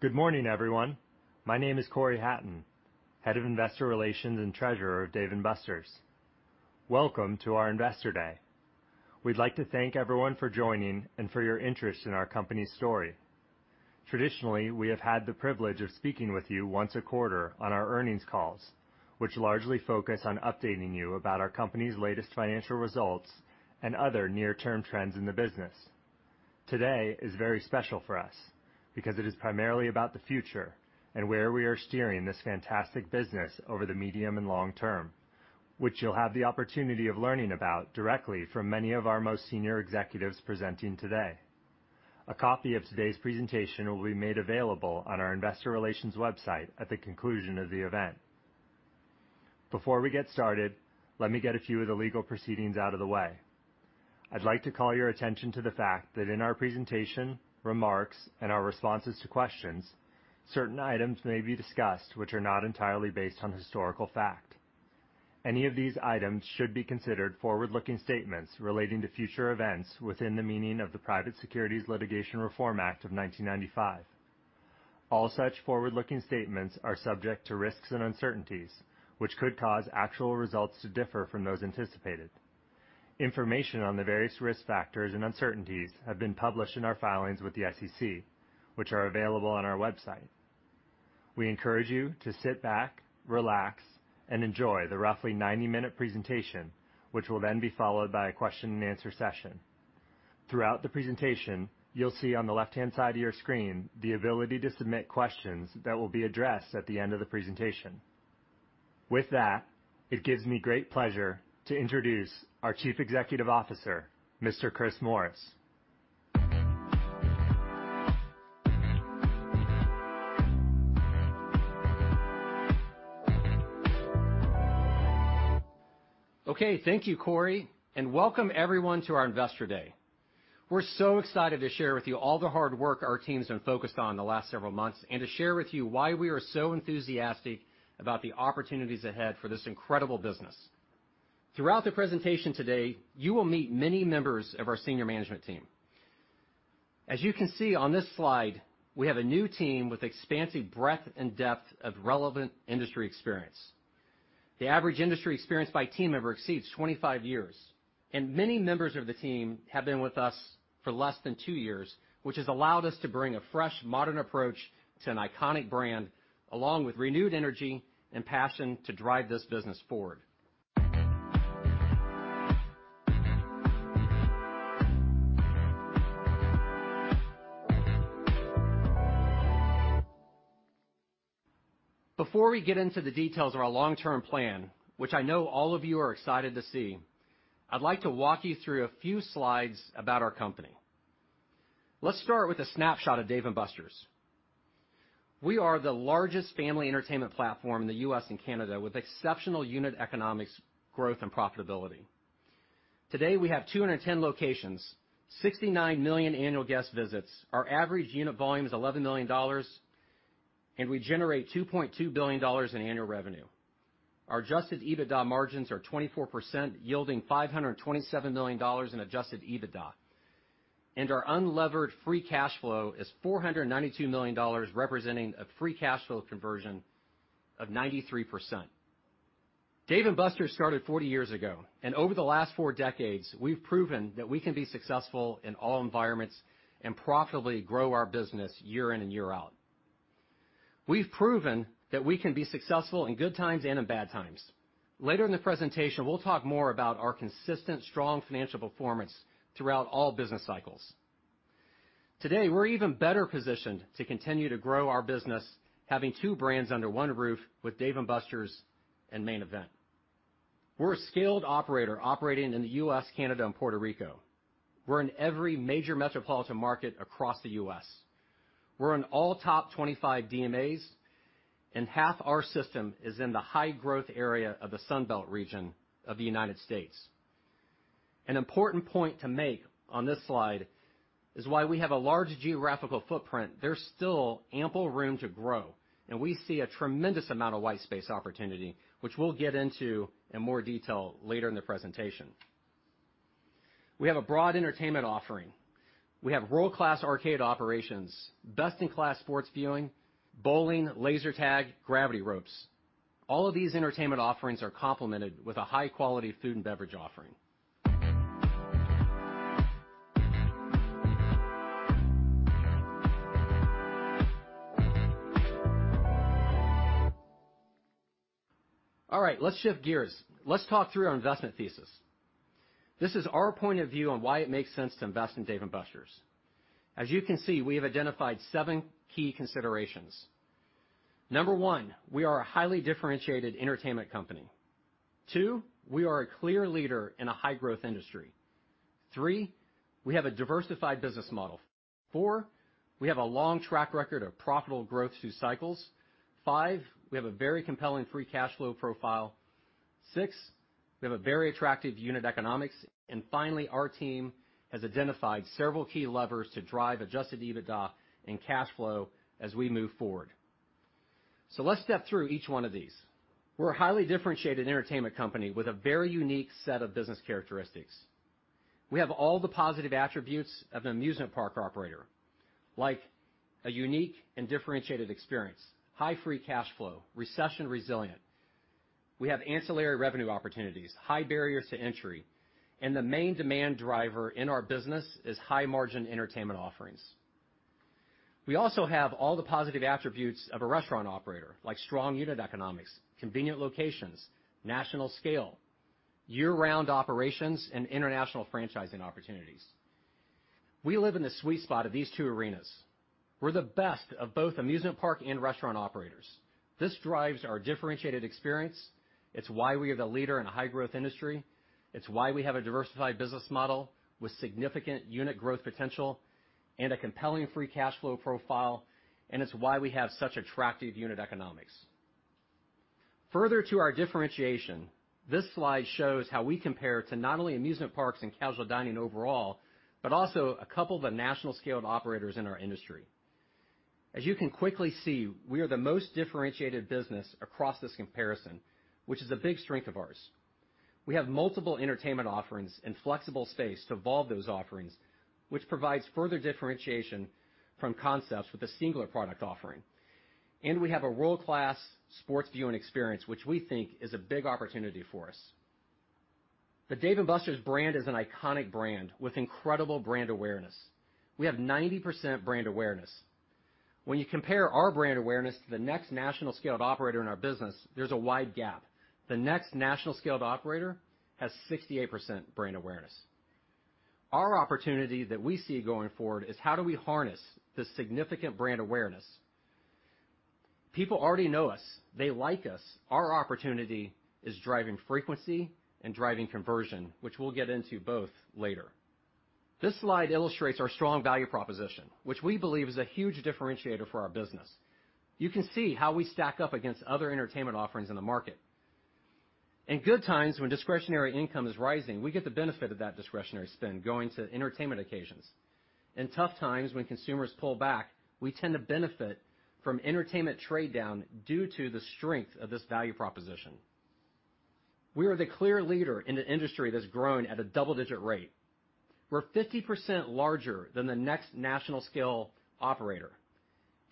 Good morning, everyone. My name is Cory Hatton, Head of Investor Relations and Treasurer of Dave & Buster's. Welcome to our Investor Day. We'd like to thank everyone for joining and for your interest in our company's story. Traditionally, we have had the privilege of speaking with you once a quarter on our earnings calls, which largely focus on updating you about our company's latest financial results and other near-term trends in the business. Today is very special for us, because it is primarily about the future and where we are steering this fantastic business over the medium and long term, which you'll have the opportunity of learning about directly from many of our most senior executives presenting today. A copy of today's presentation will be made available on our investor relations website at the conclusion of the event. Before we get started, let me get a few of the legal proceedings out of the way. I'd like to call your attention to the fact that in our presentation, remarks, and our responses to questions, certain items may be discussed which are not entirely based on historical fact. Any of these items should be considered forward-looking statements relating to future events within the meaning of the Private Securities Litigation Reform Act of 1995. All such forward-looking statements are subject to risks and uncertainties, which could cause actual results to differ from those anticipated. Information on the various risk factors and uncertainties have been published in our filings with the SEC, which are available on our website. We encourage you to sit back, relax, and enjoy the roughly 90-minute presentation, which will then be followed by a question-and-answer session. Throughout the presentation, you'll see on the left-hand side of your screen the ability to submit questions that will be addressed at the end of the presentation. With that, it gives me great pleasure to introduce our Chief Executive Officer, Mr. Chris Morris. Thank you, Cory, welcome everyone to our Investor Day. We're so excited to share with you all the hard work our team's been focused on the last several months, and to share with you why we are so enthusiastic about the opportunities ahead for this incredible business. Throughout the presentation today, you will meet many members of our senior management team. As you can see on this slide, we have a new team with expansive breadth and depth of relevant industry experience. The average industry experience by team member exceeds 25 years, and many members of the team have been with us for less than two years, which has allowed us to bring a fresh, modern approach to an iconic brand, along with renewed energy and passion to drive this business forward. Before we get into the details of our long-term plan, which I know all of you are excited to see, I'd like to walk you through a few slides about our company. Let's start with a snapshot of Dave & Buster's. We are the largest family entertainment platform in the U.S. and Canada, with exceptional unit economics, growth, and profitability. Today, we have 210 locations, 69 million annual guest visits. Our average unit volume is $11 million, and we generate $2.2 billion in annual revenue. Our Adjusted EBITDA margins are 24%, yielding $527 million in adjusted EBITDA, and our unlevered free cash flow is $492 million, representing a free cash flow conversion of 93%. Dave & Buster's started 40 years ago. Over the last four decades, we've proven that we can be successful in all environments and profitably grow our business year in and year out. We've proven that we can be successful in good times and in bad times. Later in the presentation, we'll talk more about our consistent, strong financial performance throughout all business cycles. Today, we're even better positioned to continue to grow our business, having two brands under one roof with Dave & Buster's and Main Event. We're a skilled operator operating in the U.S., Canada, and Puerto Rico. We're in every major metropolitan market across the U.S. We're in all top 25 DMAs. Half our system is in the high-growth area of the Sun Belt region of the United States. An important point to make on this slide is why we have a large geographical footprint, there's still ample room to grow, and we see a tremendous amount of white space opportunity, which we'll get into in more detail later in the presentation. We have a broad entertainment offering. We have world-class arcade operations, best-in-class sports viewing, bowling, laser tag, gravity ropes. All of these entertainment offerings are complemented with a high-quality food and beverage offering. All right, let's shift gears. Let's talk through our investment thesis. This is our point of view on why it makes sense to invest in Dave & Buster's. As you can see, we have identified seven key considerations. Number one, we are a highly differentiated entertainment company. Two, we are a clear leader in a high-growth industry. Three, we have a diversified business model. Four, we have a long track record of profitable growth through cycles. Five, we have a very compelling free cash flow profile. Six, we have a very attractive unit economics. And finally, our team has identified several key levers to drive Adjusted EBITDA and cash flow as we move forward. Let's step through each one of these. We're a highly differentiated entertainment company with a very unique set of business characteristics. We have all the positive attributes of an amusement park operator, like a unique and differentiated experience, high free cash flow, recession resilient. We have ancillary revenue opportunities, high barriers to entry, and the main demand driver in our business is high-margin entertainment offerings. We also have all the positive attributes of a restaurant operator, like strong unit economics, convenient locations, national scale, year-round operations, and international franchising opportunities. We live in the sweet spot of these two arenas. We're the best of both amusement park and restaurant operators. This drives our differentiated experience. It's why we are the leader in a high-growth industry. It's why we have a diversified business model with significant unit growth potential and a compelling free cash flow profile. It's why we have such attractive unit economics. Further to our differentiation, this slide shows how we compare to not only amusement parks and casual dining overall, but also a couple of the national-scaled operators in our industry. As you can quickly see, we are the most differentiated business across this comparison, which is a big strength of ours. We have multiple entertainment offerings and flexible space to evolve those offerings, which provides further differentiation from concepts with a singular product offering. We have a world-class sports viewing experience, which we think is a big opportunity for us. The Dave & Buster's brand is an iconic brand with incredible brand awareness. We have 90% brand awareness. When you compare our brand awareness to the next national scaled operator in our business, there's a wide gap. The next national scaled operator has 68% brand awareness. Our opportunity that we see going forward is: how do we harness this significant brand awareness? People already know us. They like us. Our opportunity is driving frequency and driving conversion, which we'll get into both later. This slide illustrates our strong value proposition, which we believe is a huge differentiator for our business. You can see how we stack up against other entertainment offerings in the market. In good times, when discretionary income is rising, we get the benefit of that discretionary spend going to entertainment occasions. In tough times, when consumers pull back, we tend to benefit from entertainment trade-down due to the strength of this value proposition. We are the clear leader in an industry that's growing at a double-digit rate. We're 50% larger than the next national scale operator,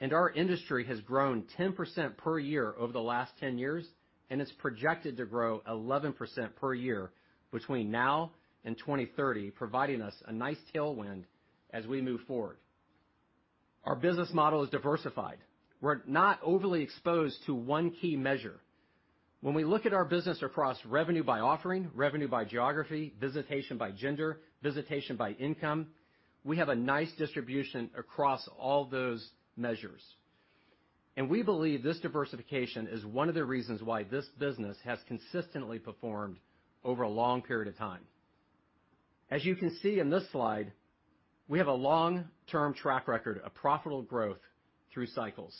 and our industry has grown 10% per year over the last 10 years, and it's projected to grow 11% per year between now and 2030, providing us a nice tailwind as we move forward. Our business model is diversified. We're not overly exposed to one key measure. When we look at our business across revenue by offering, revenue by geography, visitation by gender, visitation by income, we have a nice distribution across all those measures. We believe this diversification is one of the reasons why this business has consistently performed over a long period of time. As you can see in this slide, we have a long-term track record of profitable growth through cycles.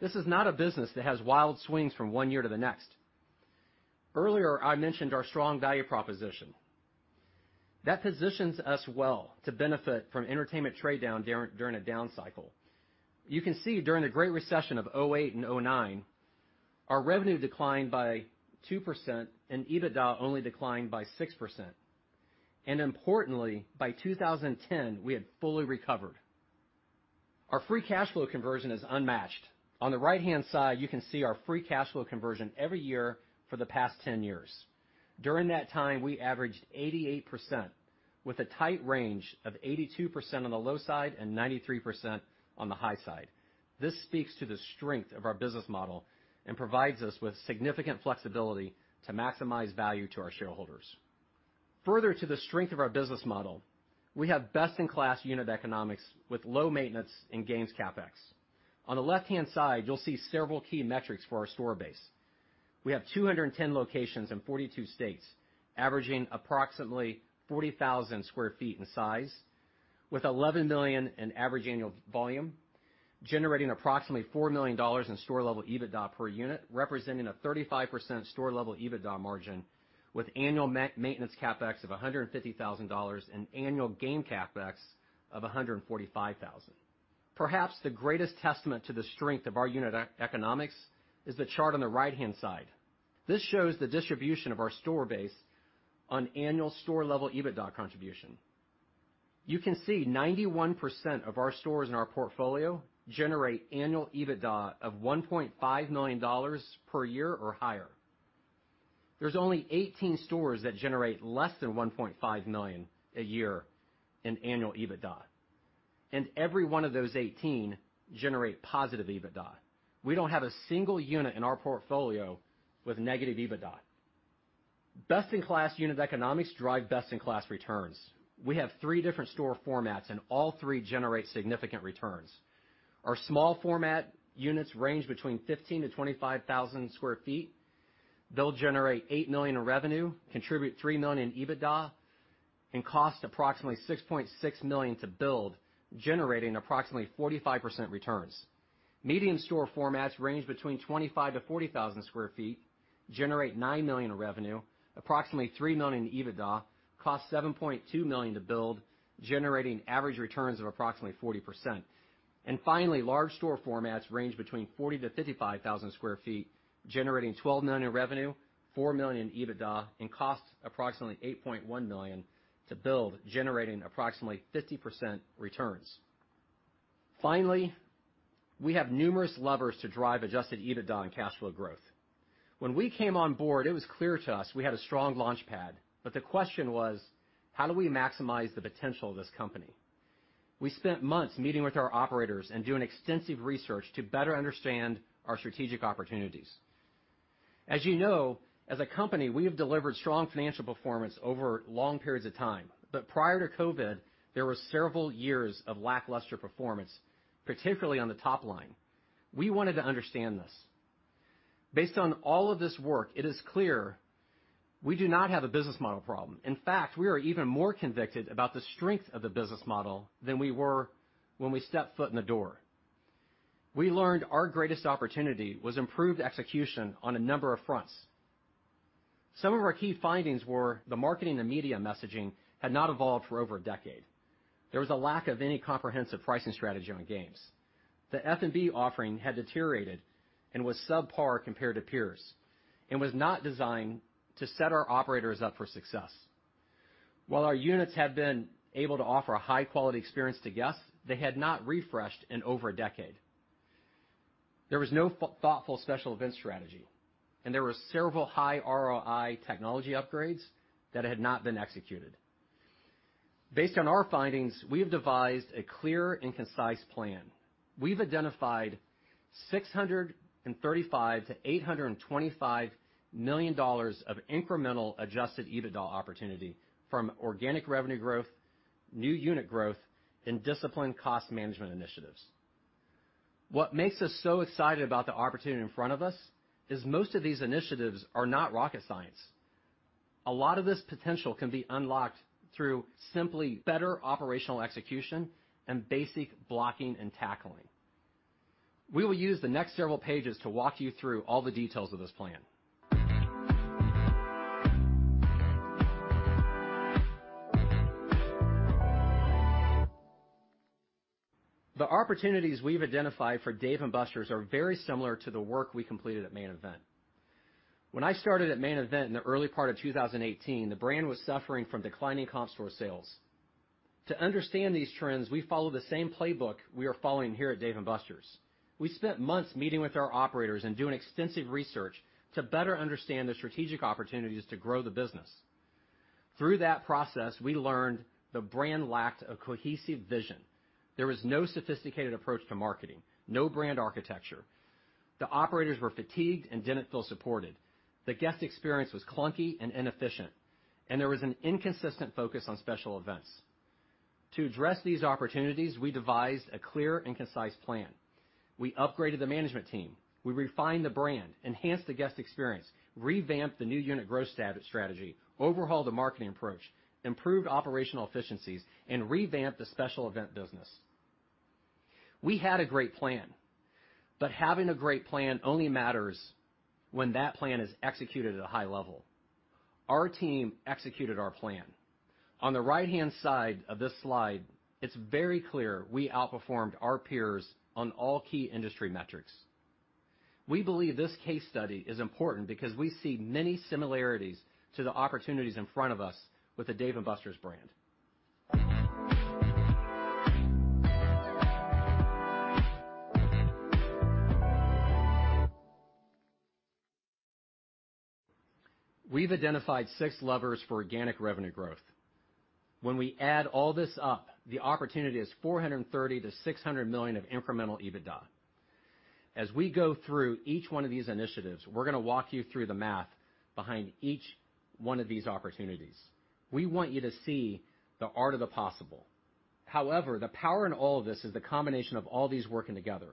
This is not a business that has wild swings from one year to the next. Earlier, I mentioned our strong value proposition. That positions us well to benefit from entertainment trade-down during a down cycle. You can see, during the Great Recession of 2008 and 2009, our revenue declined by 2%, and EBITDA only declined by 6%. Importantly, by 2010, we had fully recovered. Our free cash flow conversion is unmatched. On the right-hand side, you can see our free cash flow conversion every year for the past 10 years. During that time, we averaged 88%, with a tight range of 82% on the low side and 93% on the high side. This speaks to the strength of our business model and provides us with significant flexibility to maximize value to our shareholders. Further to the strength of our business model, we have best-in-class unit economics with low maintenance and gains CapEx. On the left-hand side, you'll see several key metrics for our store base. We have 210 locations in 42 states, averaging approximately 40,000 sq ft in size, with $11 million in average annual volume, generating approximately $4 million in store-level EBITDA per unit, representing a 35% store-level EBITDA margin, with annual maintenance CapEx of $150,000 and annual game CapEx of $145,000. Perhaps the greatest testament to the strength of our unit economics is the chart on the right-hand side. This shows the distribution of our store base on annual store-level EBITDA contribution. You can see 91% of our stores in our portfolio generate annual EBITDA of $1.5 million per year or higher. There's only 18 stores that generate less than $1.5 million a year in annual EBITDA, every one of those 18 generate positive EBITDA. We don't have a single unit in our portfolio with negative EBITDA. Best-in-class unit economics drive best-in-class returns. We have three different store formats, all three generate significant returns. Our small format units range between 15,000 to 25,000 sq ft. They'll generate $8 million in revenue, contribute $3 million in EBITDA, cost approximately $6.6 million to build, generating approximately 45% returns. Medium store formats range between 25,000 to 40,000 sq ft. generate $9 million in revenue, approximately $3 million in EBITDA, cost $7.2 million to build, generating average returns of approximately 40%. Finally, large store formats range between 40,000 to 55,000 sq ft, generating $12 million in revenue, $4 million in EBITDA, and cost approximately $8.1 million to build, generating approximately 50% returns. Finally, we have numerous levers to drive adjusted EBITDA and cash flow growth. When we came on board, it was clear to us we had a strong launch pad, but the question was: How do we maximize the potential of this company? We spent months meeting with our operators and doing extensive research to better understand our strategic opportunities. As you know, as a company, we have delivered strong financial performance over long periods of time, but prior to COVID, there were several years of lackluster performance, particularly on the top line. We wanted to understand this. Based on all of this work, it is clear we do not have a business model problem. In fact, we are even more convicted about the strength of the business model than we were when we stepped foot in the door. We learned our greatest opportunity was improved execution on a number of fronts. Some of our key findings were the marketing and media messaging had not evolved for over a decade. There was a lack of any comprehensive pricing strategy on games. The F&B offering had deteriorated and was subpar compared to peers, and was not designed to set our operators up for success. While our units had been able to offer a high-quality experience to guests, they had not refreshed in over a decade. There was no thoughtful special event strategy, and there were several high ROI technology upgrades that had not been executed. Based on our findings, we have devised a clear and concise plan. We've identified $635 million to $825 million of incremental adjusted EBITDA opportunity from organic revenue growth, new unit growth, and disciplined cost management initiatives. What makes us so excited about the opportunity in front of us is most of these initiatives are not rocket science. A lot of this potential can be unlocked through simply better operational execution and basic blocking and tackling. We will use the next several pages to walk you through all the details of this plan. The opportunities we've identified for Dave & Buster's are very similar to the work we completed at Main Event. When I started at Main Event in the early part of 2018, the brand was suffering from declining comp store sales. To understand these trends, we followed the same playbook we are following here at Dave & Buster's. We spent months meeting with our operators and doing extensive research to better understand the strategic opportunities to grow the business. Through that process, we learned the brand lacked a cohesive vision. There was no sophisticated approach to marketing, no brand architecture. The operators were fatigued and didn't feel supported. The guest experience was clunky and inefficient, and there was an inconsistent focus on special events. To address these opportunities, we devised a clear and concise plan. We upgraded the management team, we refined the brand, enhanced the guest experience, revamped the new unit growth strategy, overhauled the marketing approach, improved operational efficiencies, and revamped the special event business. We had a great plan, having a great plan only matters when that plan is executed at a high level. Our team executed our plan. On the right-hand side of this slide, it's very clear we outperformed our peers on all key industry metrics. We believe this case study is important because we see many similarities to the opportunities in front of us with the Dave & Buster's brand. We've identified six levers for organic revenue growth. We add all this up, the opportunity is $430 million to $600 million of incremental EBITDA. As we go through each one of these initiatives, we're gonna walk you through the math behind each one of these opportunities. We want you to see the art of the possible. However, the power in all of this is the combination of all these working together.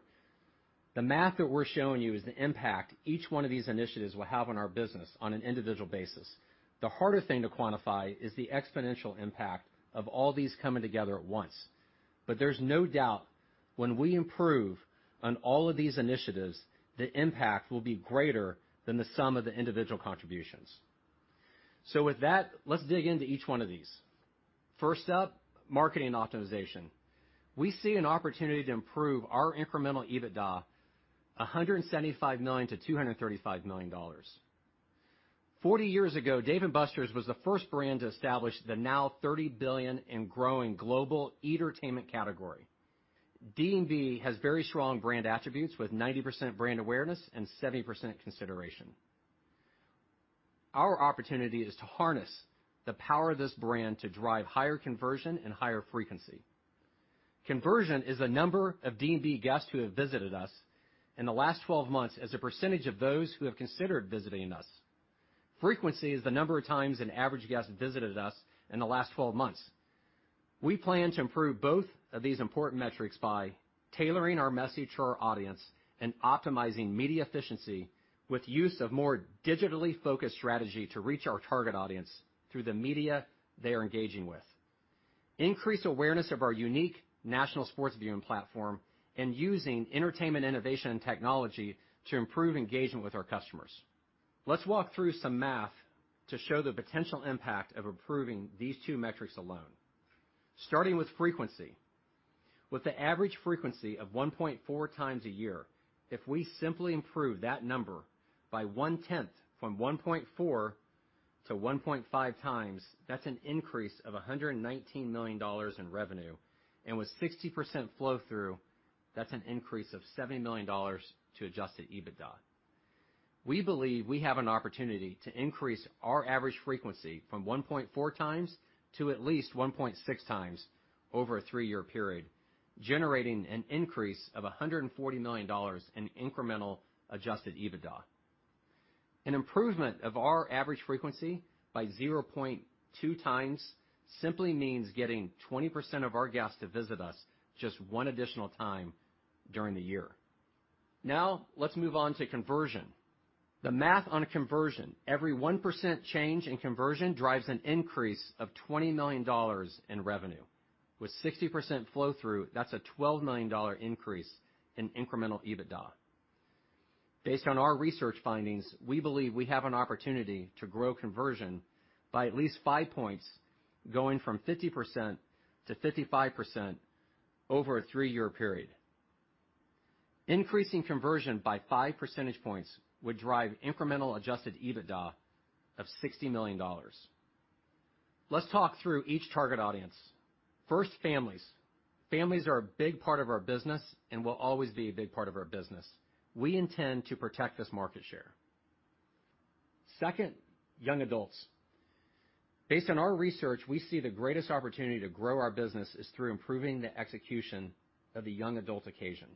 The math that we're showing you is the impact each one of these initiatives will have on our business on an individual basis. The harder thing to quantify is the exponential impact of all these coming together at once. There's no doubt when we improve on all of these initiatives, the impact will be greater than the sum of the individual contributions. With that, let's dig into each one of these. First up, marketing optimization. We see an opportunity to improve our incremental EBITDA, $175 million to $235 million. 40 years ago, Dave & Buster's was the first brand to establish the now $30 billion in growing global entertainment category. D&B has very strong brand attributes, with 90% brand awareness and 70% consideration. Our opportunity is to harness the power of this brand to drive higher conversion and higher frequency. Conversion is the number of D&B guests who have visited us in the last 12 months as a percentage of those who have considered visiting us. Frequency is the number of times an average guest visited us in the last 12 months. We plan to improve both of these important metrics by tailoring our message to our audience and optimizing media efficiency with use of more digitally-focused strategy to reach our target audience through the media they are engaging with. increase awareness of our unique national sports viewing platform, and using entertainment, innovation, and technology to improve engagement with our customers. Let's walk through some math to show the potential impact of improving these two metrics alone. Starting with frequency. With the average frequency of 1.4 times a year, if we simply improve that number by 0.1, from 1.4 to 1.5 times, that's an increase of $119 million in revenue, and with 60% flow-through, that's an increase of $70 million to Adjusted EBITDA. We believe we have an opportunity to increase our average frequency from 1.4 times to at least 1.6 times over a three-year period, generating an increase of $140 million in incremental adjusted EBITDA. An improvement of our average frequency by 0.2 times simply means getting 20% of our guests to visit us just one additional time during the year. Let's move on to conversion. The math on conversion, every 1% change in conversion drives an increase of $20 million in revenue. With 60% flow-through, that's a $12 million increase in incremental EBITDA. Based on our research findings, we believe we have an opportunity to grow conversion by at least five points, going from 50% to 55% over a three-year period. Increasing conversion by five percentage points would drive incremental Adjusted EBITDA of $60 million. Let's talk through each target audience. First, families. Families are a big part of our business and will always be a big part of our business. We intend to protect this market share. Second, young adults. Based on our research, we see the greatest opportunity to grow our business is through improving the execution of the young adult occasion.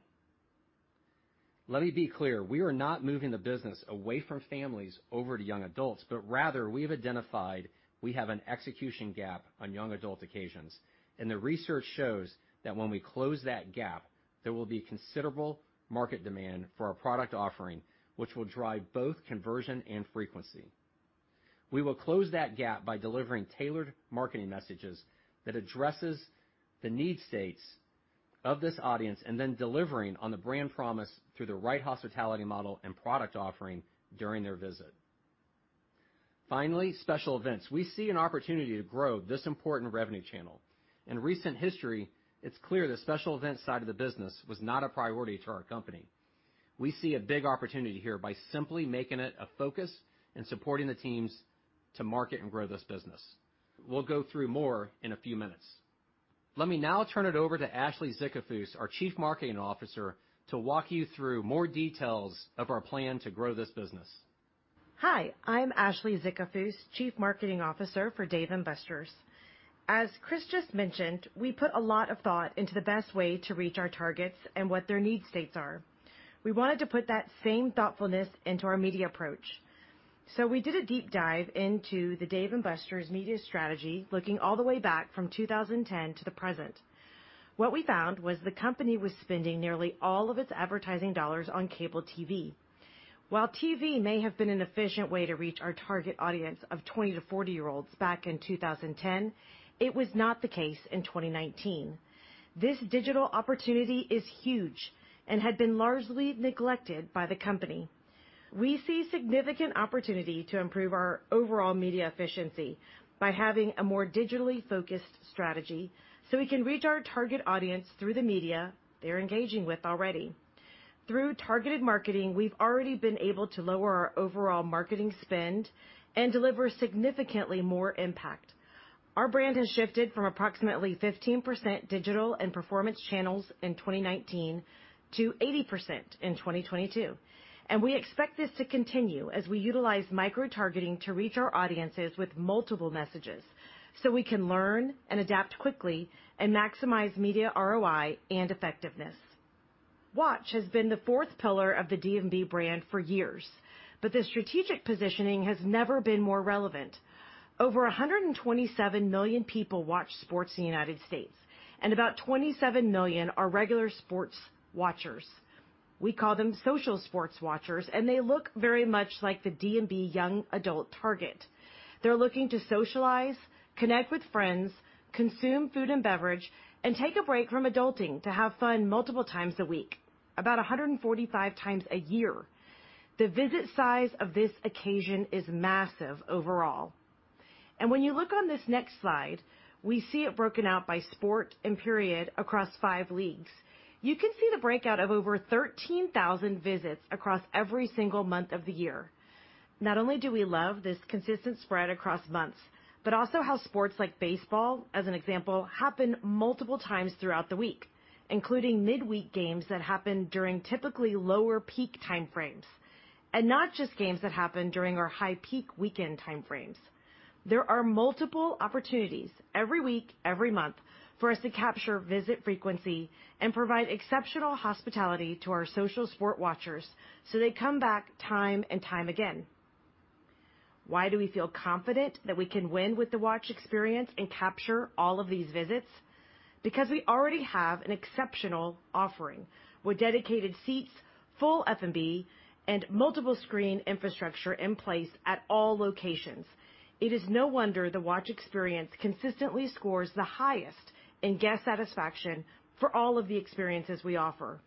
Let me be clear, we are not moving the business away from families over to young adults, rather, we have identified we have an execution gap on young adult occasions, the research shows that when we close that gap, there will be considerable market demand for our product offering, which will drive both conversion and frequency. We will close that gap by delivering tailored marketing messages that addresses the need states of this audience, then delivering on the brand promise through the right hospitality model and product offering during their visit. Finally, special events. We see an opportunity to grow this important revenue channel. In recent history, it's clear the special events side of the business was not a priority to our company. We see a big opportunity here by simply making it a focus and supporting the teams to market and grow this business. We'll go through more in a few minutes. Let me now turn it over to Ashley Zickefoose, our Chief Marketing Officer, to walk you through more details of our plan to grow this business. Hi, I'm Ashley Zickefoose, Chief Marketing Officer for Dave & Buster's. As Chris just mentioned, we put a lot of thought into the best way to reach our targets and what their need states are. We wanted to put that same thoughtfulness into our media approach. We did a deep dive into the Dave & Buster's media strategy, looking all the way back from 2010 to the present. What we found was the company was spending nearly all of its advertising dollars on cable TV. While TV may have been an efficient way to reach our target audience of 20 to 40 year olds back in 2010, it was not the case in 2019. This digital opportunity is huge and had been largely neglected by the company. We see significant opportunity to improve our overall media efficiency by having a more digitally focused strategy, so we can reach our target audience through the media they're engaging with already. Through targeted marketing, we've already been able to lower our overall marketing spend and deliver significantly more impact. Our brand has shifted from approximately 15% digital and performance channels in 2019 to 80% in 2022, and we expect this to continue as we utilize micro-targeting to reach our audiences with multiple messages, so we can learn and adapt quickly and maximize media ROI and effectiveness. Watch has been the fourth pillar of the D&B brand for years, but the strategic positioning has never been more relevant. Over 127 million people watch sports in the United States, and about 27 million are regular sports watchers. We call them social sports watchers, and they look very much like the D&B young adult target. They're looking to socialize, connect with friends, consume food and beverage, and take a break from adulting to have fun multiple times a week, about 145 times a year. The visit size of this occasion is massive overall. When you look on this next slide, we see it broken out by sport and period across five leagues. You can see the breakout of over 13,000 visits across every single month of the year. Not only do we love this consistent spread across months, but also how sports like baseball, as an example, happen multiple times throughout the week, including midweek games that happen during typically lower peak time frames, and not just games that happen during our high peak weekend time frames. There are multiple opportunities every week, every month, for us to capture visit frequency and provide exceptional hospitality to our social sport watchers, so they come back time and time again. Why do we feel confident that we can win with the Watch experience and capture all of these visits? We already have an exceptional offering, with dedicated seats, full F&B, and multiple screen infrastructure in place at all locations. It is no wonder the Watch experience consistently scores the highest in guest satisfaction for all of the experiences we offer.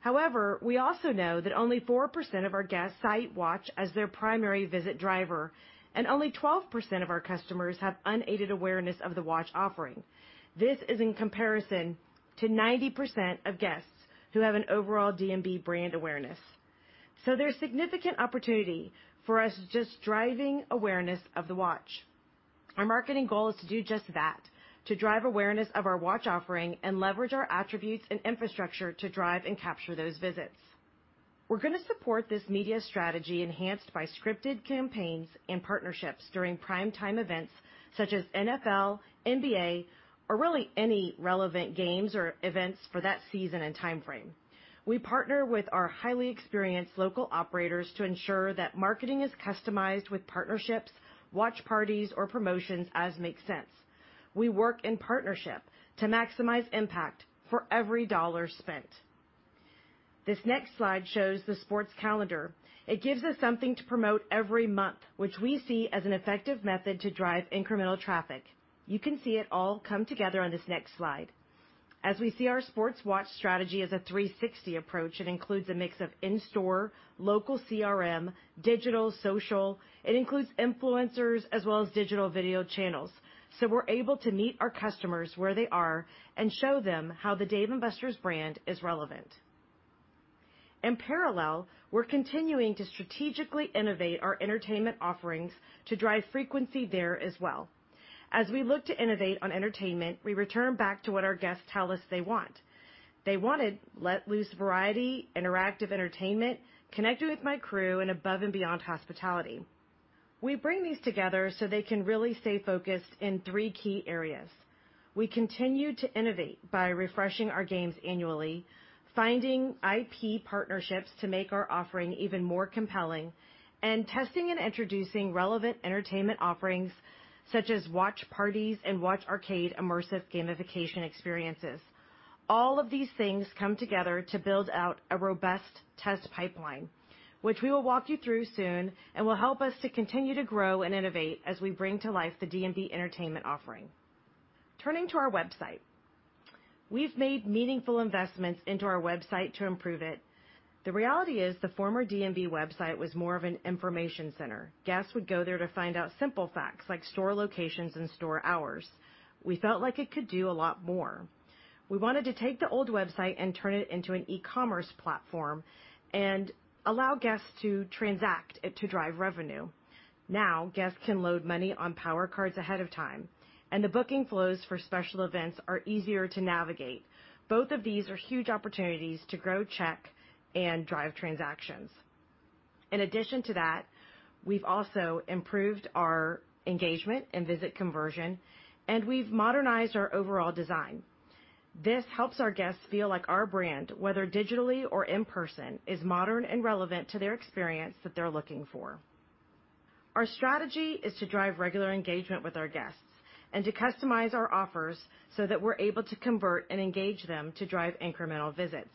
However, we also know that only 4% of our guests cite Watch as their primary visit driver, and only 12% of our customers have unaided awareness of the Watch offering. This is in comparison to 90% of guests who have an overall D&B brand awareness. There's significant opportunity for us just driving awareness of the Watch. Our marketing goal is to do just that, to drive awareness of our Watch offering and leverage our attributes and infrastructure to drive and capture those visits. We're gonna support this media strategy enhanced by scripted campaigns and partnerships during primetime events such as NFL, NBA, or really any relevant games or events for that season and time frame. We partner with our highly experienced local operators to ensure that marketing is customized with partnerships, Watch Parties, or promotions as makes sense. We work in partnership to maximize impact for every dollar spent. This next slide shows the sports calendar. It gives us something to promote every month, which we see as an effective method to drive incremental traffic. You can see it all come together on this next slide. As we see our sports Watch strategy as a 360 approach, it includes a mix of in-store, local CRM, digital, social. It includes influencers as well as digital video channels, so we're able to meet our customers where they are and show them how the Dave & Buster's brand is relevant. In parallel, we're continuing to strategically innovate our entertainment offerings to drive frequency there as well. As we look to innovate on entertainment, we return back to what our guests tell us they want. They wanted let loose variety, interactive entertainment, connecting with my crew, and above and beyond hospitality. We bring these together so they can really stay focused in three key areas. We continue to innovate by refreshing our games annually, finding IP partnerships to make our offering even more compelling, and testing and introducing relevant entertainment offerings such as Watch Parties and Watch Arcade, immersive gamification experiences. All of these things come together to build out a robust test pipeline, which we will walk you through soon and will help us to continue to grow and innovate as we bring to life the D&B entertainment offering. Turning to our website. We've made meaningful investments into our website to improve it. The reality is, the former D&B website was more of an information center. Guests would go there to find out simple facts, like store locations and store hours. We felt like it could do a lot more. We wanted to take the old website and turn it into an e-commerce platform and allow guests to transact it to drive revenue. Now, guests can load money on Power Cards ahead of time, and the booking flows for special events are easier to navigate. Both of these are huge opportunities to grow, check, and drive transactions. In addition to that, we've also improved our engagement and visit conversion, and we've modernized our overall design. This helps our guests feel like our brand, whether digitally or in person, is modern and relevant to their experience that they're looking for. Our strategy is to drive regular engagement with our guests and to customize our offers so that we're able to convert and engage them to drive incremental visits.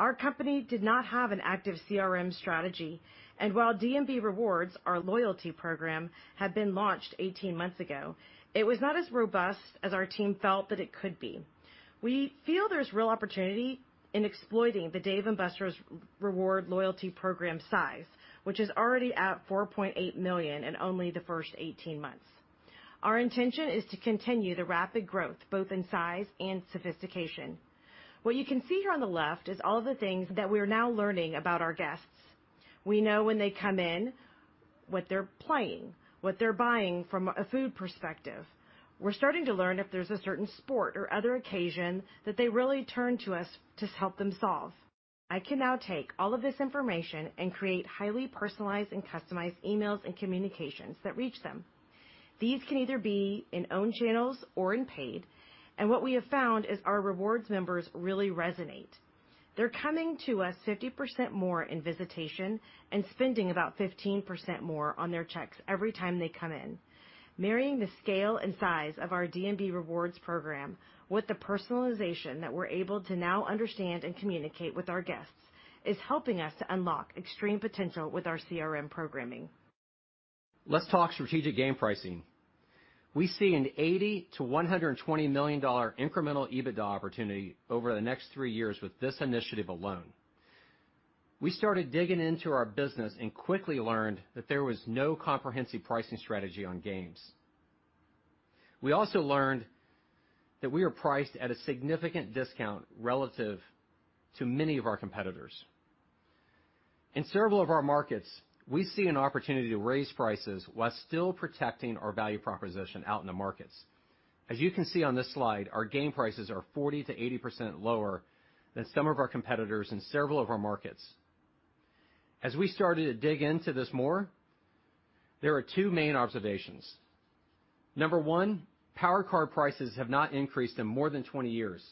Our company did not have an active CRM strategy, and while D&B Rewards, our loyalty program, had been launched 18 months ago, it was not as robust as our team felt that it could be. We feel there's real opportunity in exploiting the D&B Rewards loyalty program size, which is already at $4.8 million in only the first 18 months. Our intention is to continue the rapid growth, both in size and sophistication. What you can see here on the left is all the things that we are now learning about our guests. We know when they come in, what they're playing, what they're buying from a food perspective. We're starting to learn if there's a certain sport or other occasion that they really turn to us to help them solve. I can now take all of this information and create highly personalized and customized emails and communications that reach them. These can either be in own channels or in paid. What we have found is our rewards members really resonate. They're coming to us 50% more in visitation and spending about 15% more on their checks every time they come in. Marrying the scale and size of our D&B Rewards program with the personalization that we're able to now understand and communicate with our guests, is helping us to unlock extreme potential with our CRM programming. Let's talk strategic game pricing. We see an $80 million to $120 million incremental EBITDA opportunity over the next three years with this initiative alone. We started digging into our business and quickly learned that there was no comprehensive pricing strategy on games. We learned that we are priced at a significant discount relative to many of our competitors. In several of our markets, we see an opportunity to raise prices while still protecting our value proposition out in the markets. As you can see on this slide, our game prices are 40% to 80% lower than some of our competitors in several of our markets. We started to dig into this more, there are two main observations. Number one, Power Card prices have not increased in more than 20 years,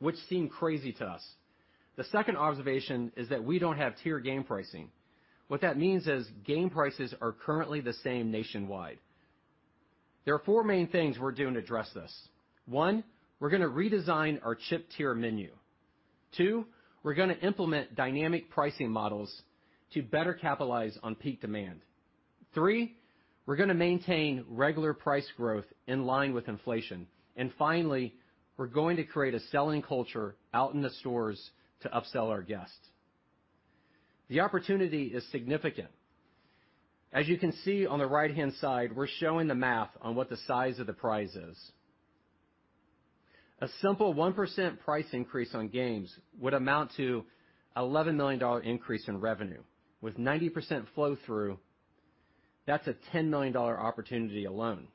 which seem crazy to us. The second observation is that we don't have tier game pricing. What that means is game prices are currently the same nationwide. There are four main things we're doing to address this. One, we're gonna redesign our chip tier menu. Two, we're gonna implement dynamic pricing models to better capitalize on peak demand. Three, we're gonna maintain regular price growth in line with inflation. Finally, we're going to create a selling culture out in the stores to upsell our guests. The opportunity is significant. As you can see on the right-hand side, we're showing the math on what the size of the prize is. A simple 1% price increase on games would amount to a $11 million increase in revenue. With 90% flow-through, that's a $10 million opportunity alone.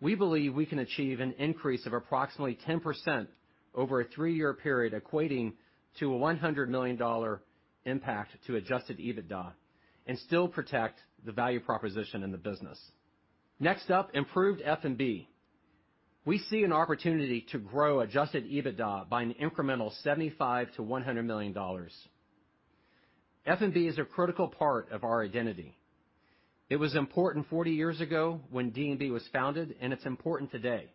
We believe we can achieve an increase of approximately 10% over a three-year period, equating to a $100 million impact to Adjusted EBITDA, still protect the value proposition in the business. Next up, improved F&B. We see an opportunity to grow Adjusted EBITDA by an incremental $75 million to $100 million. F&B is a critical part of our identity. It was important 40 years ago when D&B was founded, and it's important today.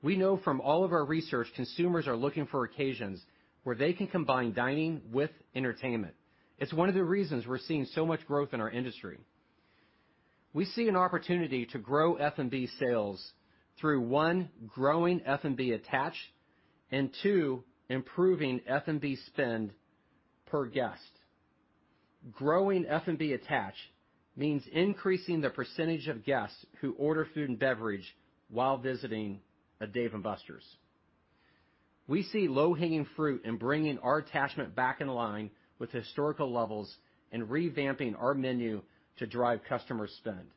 We know from all of our research, consumers are looking for occasions where they can combine dining with entertainment. It's one of the reasons we're seeing so much growth in our industry. We see an opportunity to grow F&B sales through, one, growing F&B attach, and two, improving F&B spend per guest. Growing F&B attach means increasing the percentage of guests who order food and beverage while visiting a Dave & Buster's. We see low-hanging fruit in bringing our attachment back in line with historical levels and revamping our menu to drive customer spend.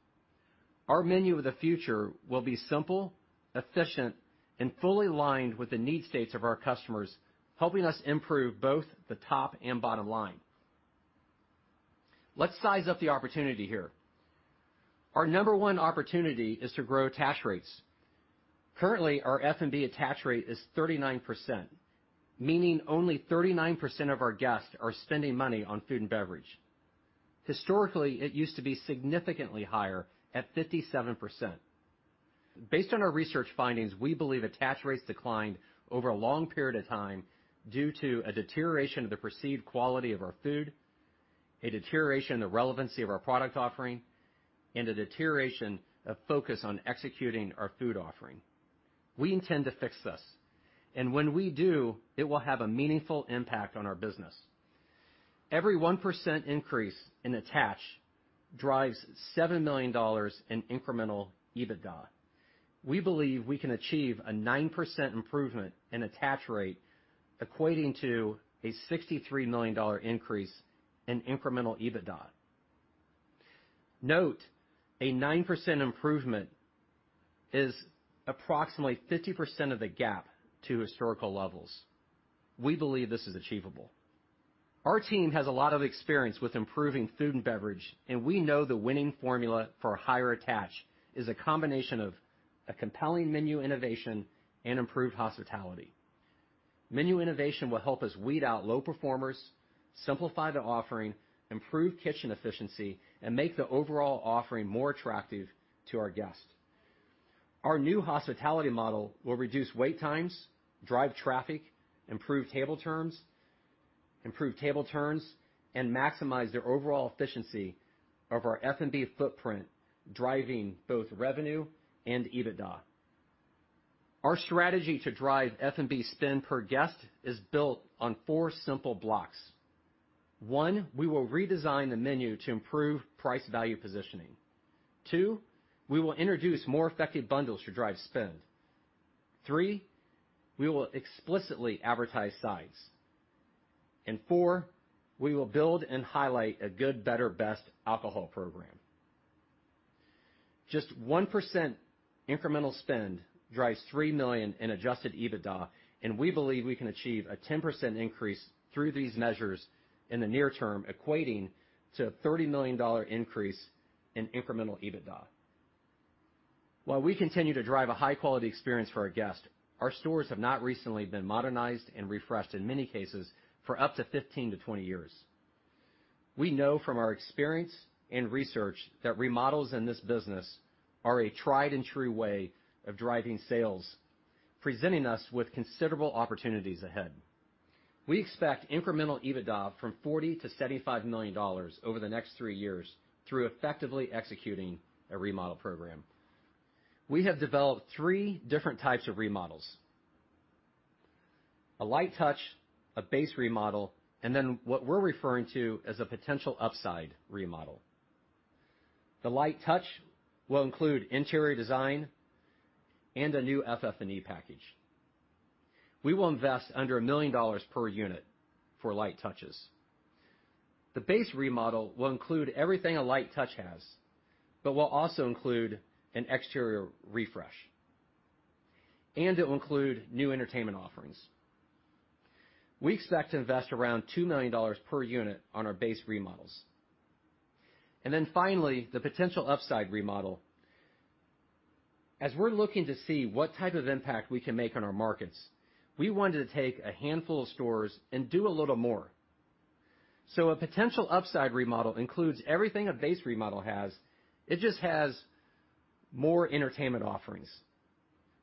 Our menu of the future will be simple, efficient, and fully aligned with the need states of our customers, helping us improve both the top and bottom line. Let's size up the opportunity here. Our number one opportunity is to grow attach rates. Currently, our F&B attach rate is 39%, meaning only 39% of our guests are spending money on food and beverage. Historically, it used to be significantly higher at 57%. Based on our research findings, we believe attach rates declined over a long period of time due to a deterioration of the perceived quality of our food, a deterioration in the relevancy of our product offering, and a deterioration of focus on executing our food offering. We intend to fix this. When we do, it will have a meaningful impact on our business. Every 1% increase in attach drives $7 million in incremental EBITDA. We believe we can achieve a 9% improvement in attach rate, equating to a $63 million increase in incremental EBITDA. Note, a 9% improvement is approximately 50% of the gap to historical levels. We believe this is achievable. Our team has a lot of experience with improving food and beverage, and we know the winning formula for a higher attach is a combination of a compelling menu innovation and improved hospitality. Menu innovation will help us weed out low performers, simplify the offering, improve kitchen efficiency, and make the overall offering more attractive to our guests. Our new hospitality model will reduce wait times, drive traffic, improve table turns, and maximize the overall efficiency of our F&B footprint, driving both revenue and EBITDA. Our strategy to drive F&B spend per guest is built on four simple blocks. One, we will redesign the menu to improve price-value positioning. Two, we will introduce more effective bundles to drive spend. Three, we will explicitly advertise size. Four, we will build and highlight a good, better, best alcohol program. Just 1% incremental spend drives $3 million in adjusted EBITDA. We believe we can achieve a 10% increase through these measures in the near term, equating to a $30 million increase in incremental EBITDA. While we continue to drive a high-quality experience for our guests, our stores have not recently been modernized and refreshed in many cases for up to 15 to 20 years. We know from our experience and research that remodels in this business are a tried-and-true way of driving sales, presenting us with considerable opportunities ahead. We expect incremental EBITDA from $40 million to $75 million over the next three years through effectively executing a remodel program. We have developed three different types of remodels: a light touch, a base remodel, and then what we're referring to as a potential upside remodel. The light touch will include interior design and a new FF&E package. We will invest under $1 million per unit for light touches. The base remodel will include everything a light touch has, but will also include an exterior refresh, and it will include new entertainment offerings. We expect to invest around $2 million per unit on our base remodels. Finally, the potential upside remodel. As we're looking to see what type of impact we can make on our markets, we wanted to take a handful of stores and do a little more. A potential upside remodel includes everything a base remodel has. It just has more entertainment offerings.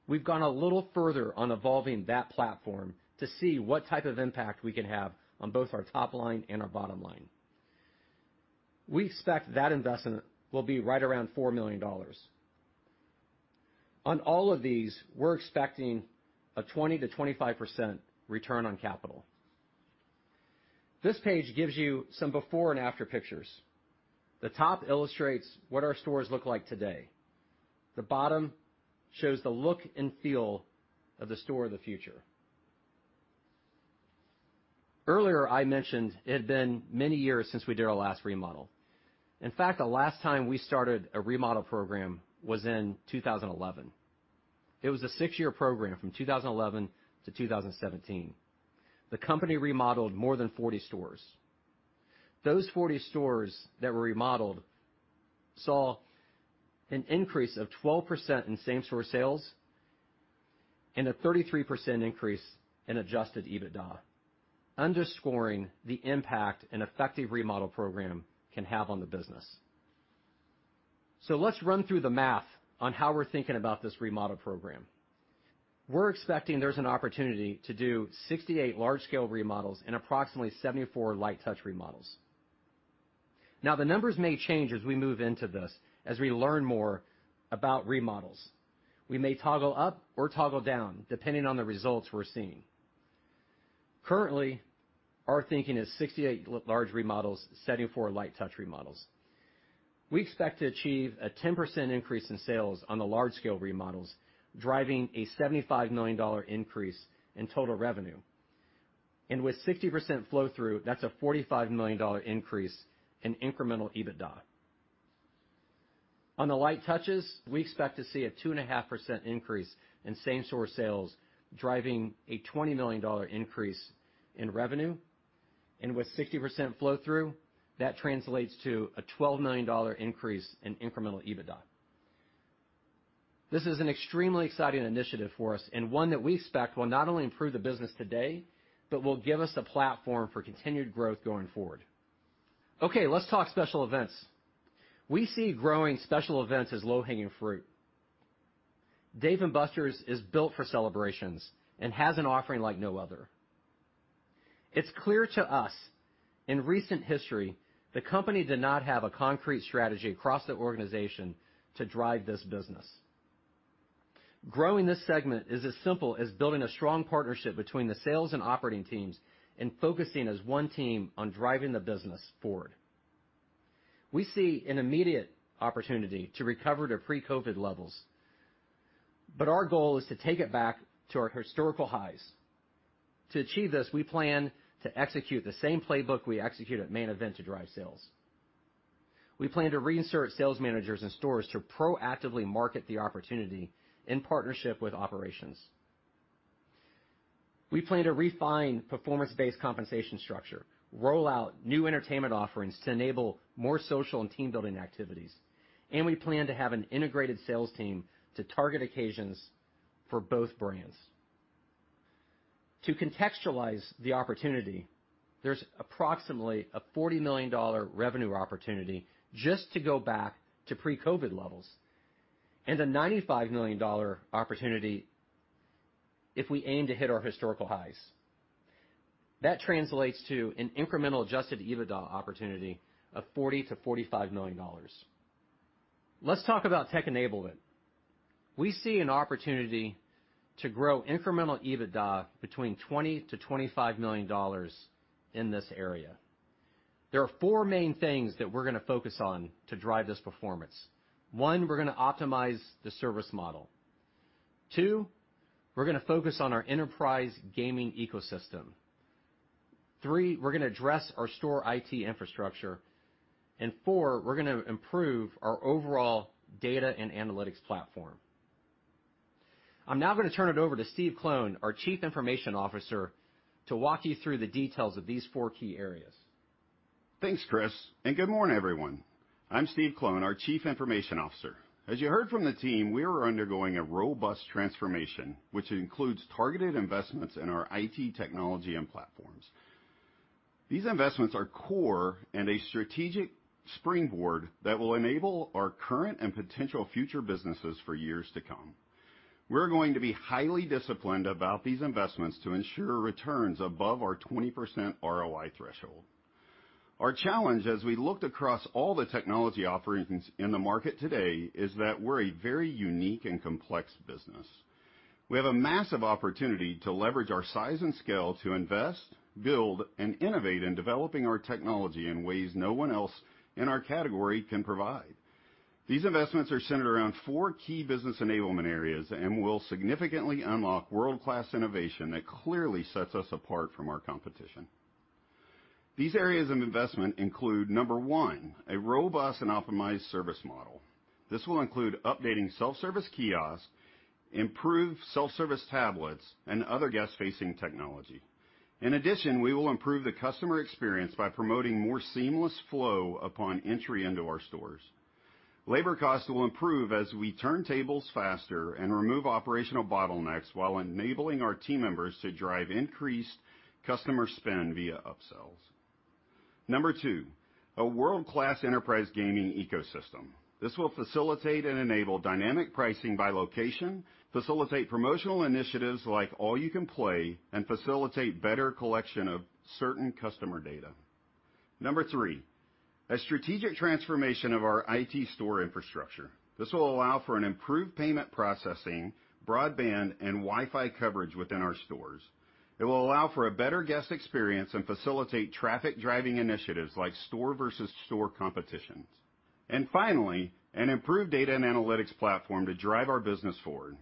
We've gone a little further on evolving that platform to see what type of impact we can have on both our top line and our bottom line. We expect that investment will be right around $4 million. On all of these, we're expecting a 20% to 25% return on capital. This page gives you some before and after pictures. The top illustrates what our stores look like today. The bottom shows the look and feel of the store of the future. Earlier, I mentioned it had been many years since we did our last remodel. The last time we started a remodel program was in 2011. It was a six-year program from 2011 to 2017. The company remodeled more than 40 stores. Those 40 stores that were remodeled saw an increase of 12% in same-store sales and a 33% increase in Adjusted EBITDA, underscoring the impact an effective remodel program can have on the business. Let's run through the math on how we're thinking about this remodel program. We're expecting there's an opportunity to do 68 large-scale remodels and approximately 74 light-touch remodels. The numbers may change as we move into this, as we learn more about remodels. We may toggle up or toggle down, depending on the results we're seeing. Currently, our thinking is 68 large remodels, 74 light-touch remodels. We expect to achieve a 10% increase in sales on the large-scale remodels, driving a $75 million increase in total revenue. With 60% flow-through, that's a $45 million increase in incremental EBITDA. On the light touches, we expect to see a 2.5% increase in same-store sales, driving a $20 million increase in revenue, and with 60% flow-through, that translates to a $12 million increase in incremental EBITDA. This is an extremely exciting initiative for us, and one that we expect will not only improve the business today, but will give us the platform for continued growth going forward. Okay, let's talk special events. We see growing special events as low-hanging fruit. Dave & Buster's is built for celebrations and has an offering like no other. It's clear to us, in recent history, the company did not have a concrete strategy across the organization to drive this business. Growing this segment is as simple as building a strong partnership between the sales and operating teams and focusing as one team on driving the business forward. We see an immediate opportunity to recover to pre-COVID levels, but our goal is to take it back to our historical highs. To achieve this, we plan to execute the same playbook we execute at Main Event to drive sales. We plan to reinsert sales managers in stores to proactively market the opportunity in partnership with operations. We plan to refine performance-based compensation structure, roll out new entertainment offerings to enable more social and team-building activities, and we plan to have an integrated sales team to target occasions for both brands. To contextualize the opportunity, there's approximately a $40 million revenue opportunity just to go back to pre-COVID levels, and a $95 million opportunity if we aim to hit our historical highs. That translates to an incremental Adjusted EBITDA opportunity of $40 million to $45 million. Let's talk about tech enablement. We see an opportunity to grow incremental EBITDA between $20 million to $25 million in this area. There are four main things that we're gonna focus on to drive this performance. One, we're gonna optimize the service model. Two, we're gonna focus on our enterprise gaming ecosystem. Three, we're gonna address our store IT infrastructure, and four, we're gonna improve our overall data and analytics platform. I'm now gonna turn it over to Steve Klohn, our Chief Information Officer, to walk you through the details of these four key areas. Thanks, Chris. Good morning, everyone. I'm Steve Klohn, our chief information officer. As you heard from the team, we are undergoing a robust transformation, which includes targeted investments in our IT technology and platforms. These investments are core and a strategic springboard that will enable our current and potential future businesses for years to come. We're going to be highly disciplined about these investments to ensure returns above our 20% ROI threshold. Our challenge, as we looked across all the technology offerings in the market today, is that we're a very unique and complex business. We have a massive opportunity to leverage our size and scale to invest, build, and innovate in developing our technology in ways no one else in our category can provide. These investments are centered around four key business enablement areas and will significantly unlock world-class innovation that clearly sets us apart from our competition. These areas of investment include, number one, a robust and optimized service model. This will include updating self-service kiosks, improved self-service tablets, and other guest-facing technology. In addition, we will improve the customer experience by promoting more seamless flow upon entry into our stores. Labor costs will improve as we turn tables faster and remove operational bottlenecks, while enabling our team members to drive increased customer spend via upsells. Number two, a world-class enterprise gaming ecosystem. This will facilitate and enable dynamic pricing by location, facilitate promotional initiatives like All You Can Play, and facilitate better collection of certain customer data. Number three, a strategic transformation of our IT store infrastructure. This will allow for an improved payment processing, broadband, and Wi-Fi coverage within our stores. It will allow for a better guest experience and facilitate traffic-driving initiatives like store versus store competitions. Finally, an improved data and analytics platform to drive our business forward.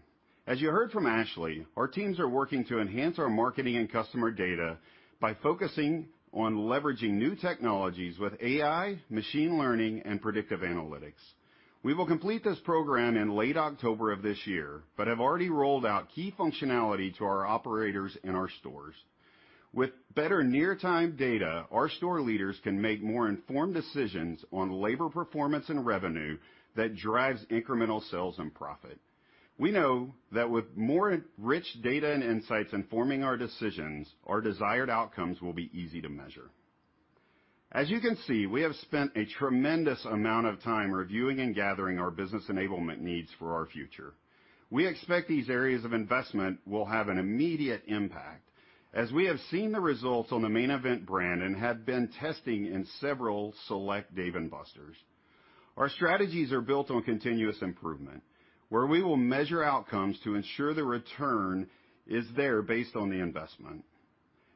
As you heard from Ashley, our teams are working to enhance our marketing and customer data by focusing on leveraging new technologies with AI, machine learning, and predictive analytics. We will complete this program in late October of this year, but have already rolled out key functionality to our operators in our stores. With better near-time data, our store leaders can make more informed decisions on labor performance and revenue that drives incremental sales and profit. We know that with more rich data and insights informing our decisions, our desired outcomes will be easy to measure. As you can see, we have spent a tremendous amount of time reviewing and gathering our business enablement needs for our future. We expect these areas of investment will have an immediate impact, as we have seen the results on the Main Event brand and have been testing in several select Dave & Buster's. Our strategies are built on continuous improvement, where we will measure outcomes to ensure the return is there based on the investment.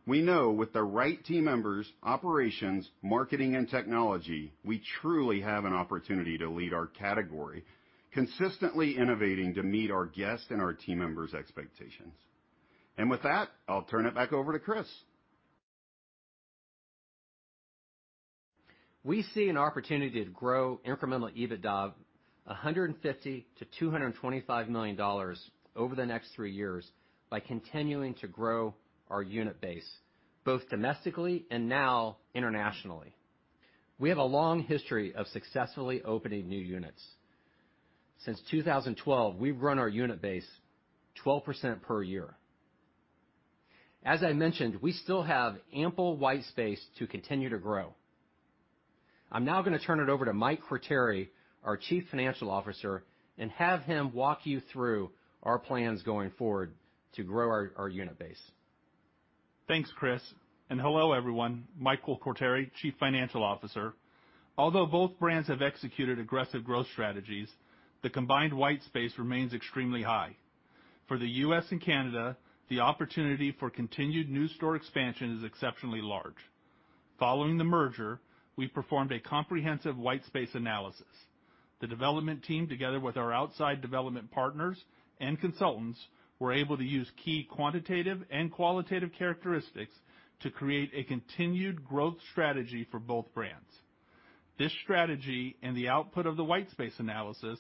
We know with the right team members, operations, marketing, and technology, we truly have an an opportunity to lead our category, consistently innovating to meet our guests' and our team members' expectations. With that, I'll turn it back over to Chris. We see an opportunity to grow incremental EBITDA, $150 million to $225 million over the next three years by continuing to grow our unit base, both domestically and now internationally. We have a long history of successfully opening new units. Since 2012, we've grown our unit base 12% per year. As I mentioned, we still have ample white space to continue to grow. I'm now gonna turn it over to Mike Quartieri, our Chief Financial Officer, and have him walk you through our plans going forward to grow our unit base. Thanks, Chris, and hello, everyone. Michael Quartieri, Chief Financial Officer. Although both brands have executed aggressive growth strategies, the combined white space remains extremely high. For the U.S. and Canada, the opportunity for continued new store expansion is exceptionally large. Following the merger, we performed a comprehensive white space analysis. The development team, together with our outside development partners and consultants, were able to use key quantitative and qualitative characteristics to create a continued growth strategy for both brands. This strategy and the output of the white space analysis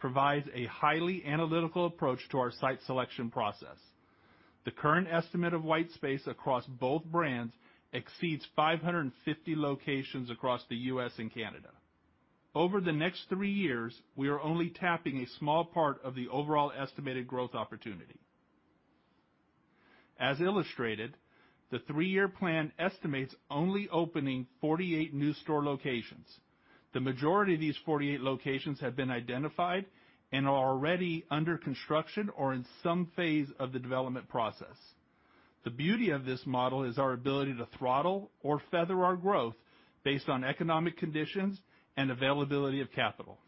provides a highly analytical approach to our site selection process. The current estimate of white space across both brands exceeds 550 locations across the U.S. and Canada. Over the next three years, we are only tapping a small part of the overall estimated growth opportunity. As illustrated, the three-year plan estimates only opening 48 new store locations. The majority of these 48 locations have been identified and are already under construction or in some phase of the development process. The beauty of this model is our ability to throttle or feather our growth based on economic conditions and availability of capital.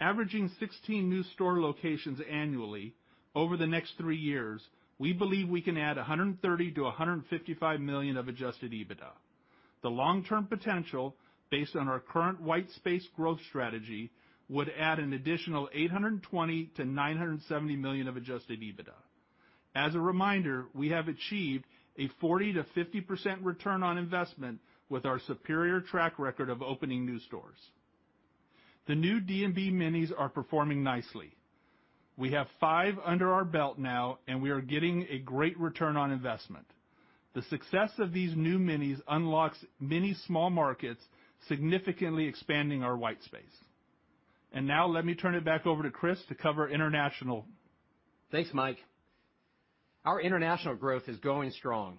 Averaging 16 new store locations annually over the next three years, we believe we can add $130 million to $155 million of adjusted EBITDA. The long-term potential, based on our current white space growth strategy, would add an additional $820 million to $970 million of adjusted EBITDA. As a reminder, we have achieved a 40% to 50% return on investment with our superior track record of opening new stores. The new D&B Minis are performing nicely. We have five under our belt now. We are getting a great return on investment. The success of these new Minis unlocks many small markets, significantly expanding our white space. Now let me turn it back over to Chris to cover international. Thanks, Mike. Our international growth is going strong.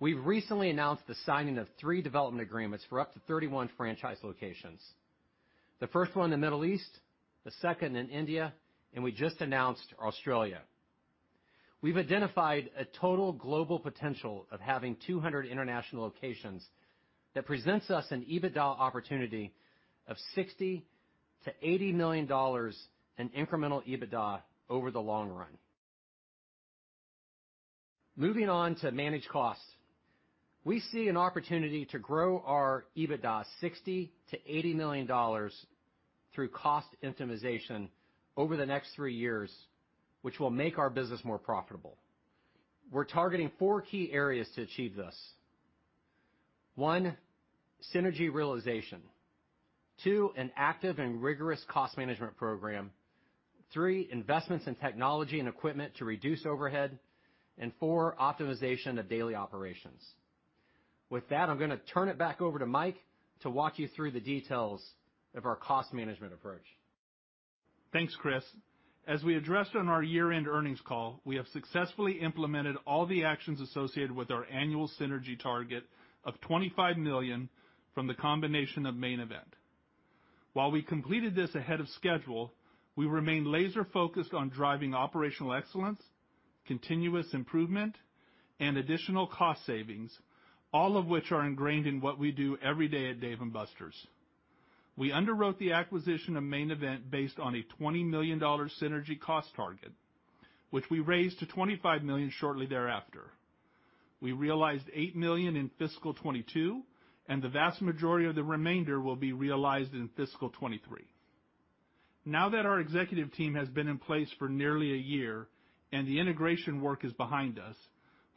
We've recently announced the signing of three development agreements for up to 31 franchise locations. The first one in the Middle East, the second in India, we just announced Australia. We've identified a total global potential of having 200 international locations that presents us an EBITDA opportunity of $60 million to $80 million in incremental EBITDA over the long run. Moving on to managed costs. We see an opportunity to grow our EBITDA $60 million to $80 million through cost optimization over the next three years, which will make our business more profitable. We're targeting four key areas to achieve this. One, synergy realization. Two, an active and rigorous cost management program. Three, investments in technology and equipment to reduce overhead. Four, optimization of daily operations. With that, I'm going to turn it back over to Mike to walk you through the details of our cost management approach. Thanks, Chris. As we addressed on our year-end earnings call, we have successfully implemented all the actions associated with our annual synergy target of $25 million from the combination of Main Event. While we completed this ahead of schedule, we remain laser focused on driving operational excellence, continuous improvement, and additional cost savings, all of which are ingrained in what we do every day at Dave & Buster's. We underwrote the acquisition of Main Event based on a $20 million synergy cost target, which we raised to $25 million shortly thereafter. We realized $8 million in fiscal 2022, and the vast majority of the remainder will be realized in fiscal 2023. Now that our executive team has been in place for nearly a year and the integration work is behind us,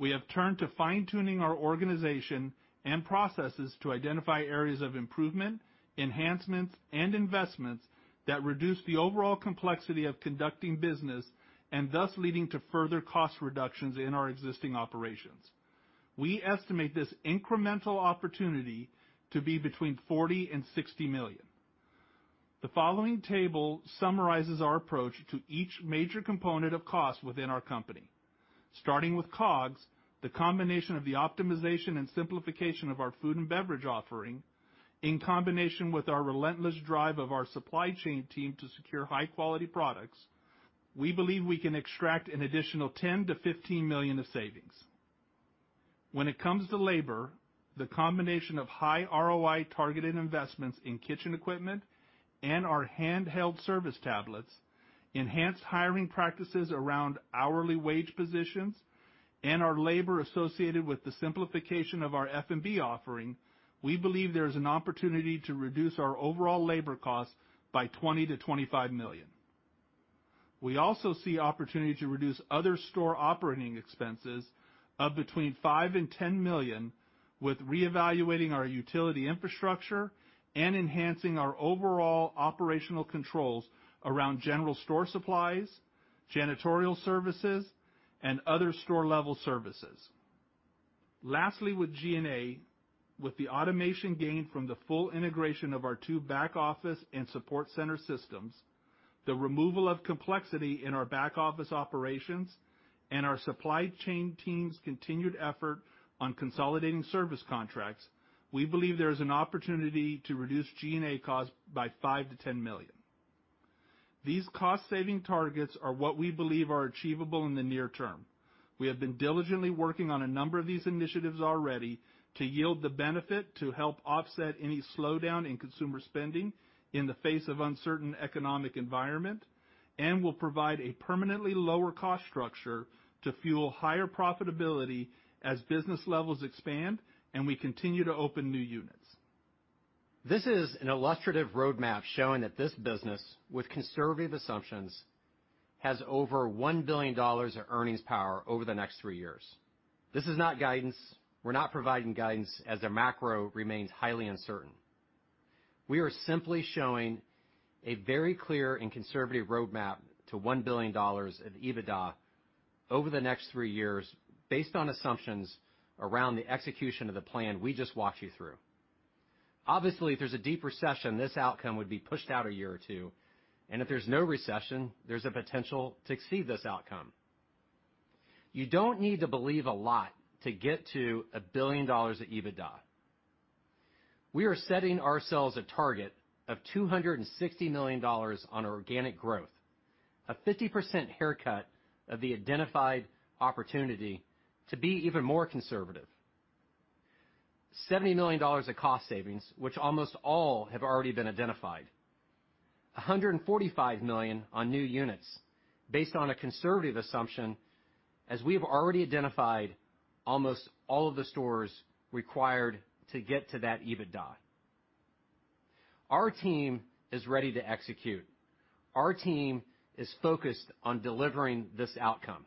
we have turned to fine-tuning our organization and processes to identify areas of improvement, enhancements, and investments that reduce the overall complexity of conducting business and thus leading to further cost reductions in our existing operations. We estimate this incremental opportunity to be between $40 million and $60 million. The following table summarizes our approach to each major component of cost within our company. Starting with COGS, the combination of the optimization and simplification of our food and beverage offering, in combination with our relentless drive of our supply chain team to secure high-quality products, we believe we can extract an additional $10 million to $15 million of savings. When it comes to labor, the combination of high ROI targeted investments in kitchen equipment and our handheld service tablets, enhanced hiring practices around hourly wage positions, and our labor associated with the simplification of our F&B offering, we believe there is an opportunity to reduce our overall labor costs by $20 million to $25 million. We also see opportunity to reduce other store operating expenses of between $5 million and $10 million, with reevaluating our utility infrastructure and enhancing our overall operational controls around general store supplies, janitorial services, and other store-level services. Lastly, with G&A, with the automation gained from the full integration of our two back office and support center systems, the removal of complexity in our back office operations, and our supply chain team's continued effort on consolidating service contracts, we believe there is an opportunity to reduce G&A costs by $5 million to $10 million. These cost-saving targets are what we believe are achievable in the near term. We have been diligently working on a number of these initiatives already to yield the benefit to help offset any slowdown in consumer spending in the face of uncertain economic environment, and will provide a permanently lower cost structure to fuel higher profitability as business levels expand and we continue to open new units. This is an illustrative roadmap showing that this business, with conservative assumptions, has over $1 billion of earnings power over the next three years. This is not guidance. We're not providing guidance, as the macro remains highly uncertain. We are simply showing a very clear and conservative roadmap to $1 billion of EBITDA over the next three years, based on assumptions around the execution of the plan we just walked you through. Obviously, if there's a deep recession, this outcome would be pushed out a year or two. If there's no recession, there's a potential to exceed this outcome. You don't need to believe a lot to get to $1 billion of EBITDA. We are setting ourselves a target of $260 million on organic growth, a 50% haircut of the identified opportunity to be even more conservative. $70 million of cost savings, which almost all have already been identified. $145 million on new units, based on a conservative assumption, as we have already identified almost all of the stores required to get to that EBITDA. Our team is ready to execute. Our team is focused on delivering this outcome.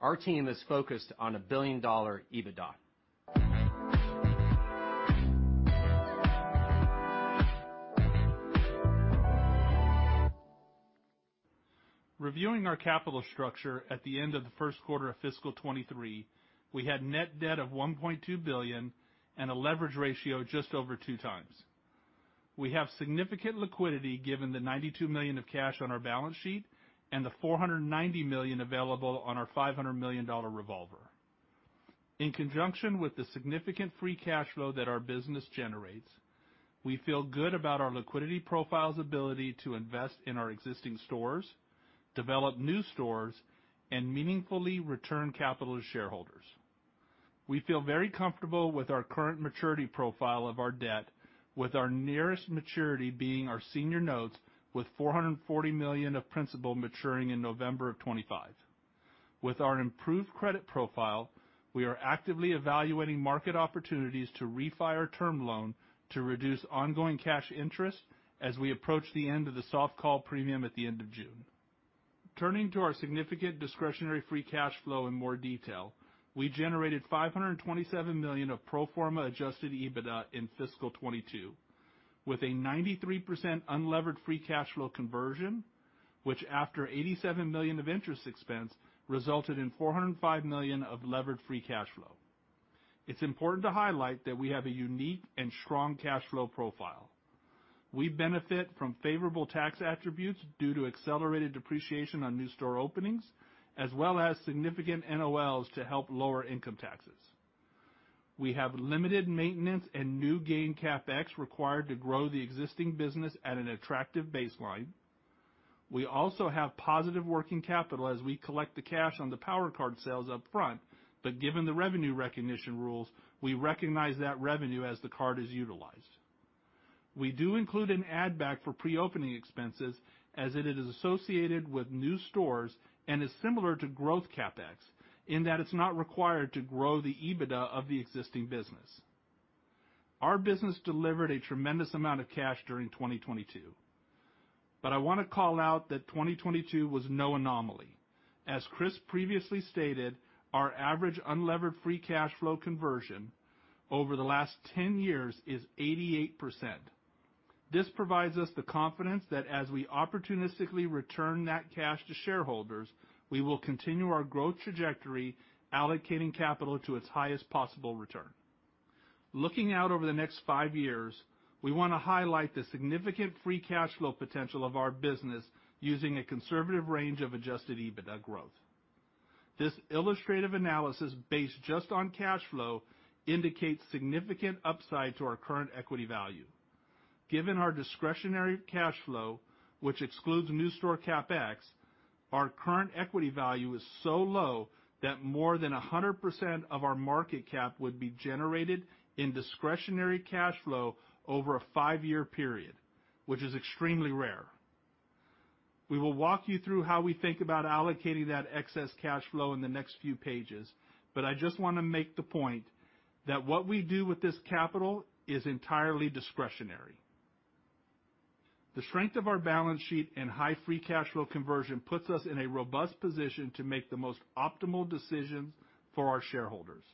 Our team is focused on a billion-dollar EBITDA. Reviewing our capital structure at the end of the first quarter of fiscal 2023, we had net debt of $1.2 billion and a leverage ratio just over two times. We have significant liquidity, given the $92 million of cash on our balance sheet and the $490 million available on our $500 million revolver. In conjunction with the significant free cash flow that our business generates, we feel good about our liquidity profile's ability to invest in our existing stores, develop new stores, and meaningfully return capital to shareholders. We feel very comfortable with our current maturity profile of our debt, with our nearest maturity being our senior notes, with $440 million of principal maturing in November of 2025. With our improved credit profile, we are actively evaluating market opportunities to refi our term loan to reduce ongoing cash interest as we approach the end of the soft call premium at the end of June. Turning to our significant discretionary free cash flow in more detail, we generated $527 million of pro forma Adjusted EBITDA in fiscal 2022, with a 93% unlevered free cash flow conversion, which after $87 million of interest expense, resulted in $405 million of levered free cash flow. It's important to highlight that we have a unique and strong cash flow profile. We benefit from favorable tax attributes due to accelerated depreciation on new store openings, as well as significant NOLs to help lower income taxes. We have limited maintenance and new game CapEx required to grow the existing business at an attractive baseline. We also have positive working capital as we collect the cash on the Power Card sales up front, but given the revenue recognition rules, we recognize that revenue as the card is utilized. We do include an add-back for pre-opening expenses as it is associated with new stores and is similar to growth CapEx, in that it's not required to grow the EBITDA of the existing business. Our business delivered a tremendous amount of cash during 2022, but I want to call out that 2022 was no anomaly. As Chris previously stated, our average unlevered free cash flow conversion over the last 10 years is 88%. This provides us the confidence that as we opportunistically return that cash to shareholders, we will continue our growth trajectory, allocating capital to its highest possible return. Looking out over the next five years, we want to highlight the significant free cash flow potential of our business using a conservative range of adjusted EBITDA growth. This illustrative analysis, based just on cash flow, indicates significant upside to our current equity value. Given our discretionary cash flow, which excludes new store CapEx, our current equity value is so low that more than 100% of our market cap would be generated in discretionary cash flow over a five-year period, which is extremely rare. We will walk you through how we think about allocating that excess cash flow in the next few pages, but I just want to make the point that what we do with this capital is entirely discretionary. The strength of our balance sheet and high free cash flow conversion puts us in a robust position to make the most optimal decisions for our shareholders.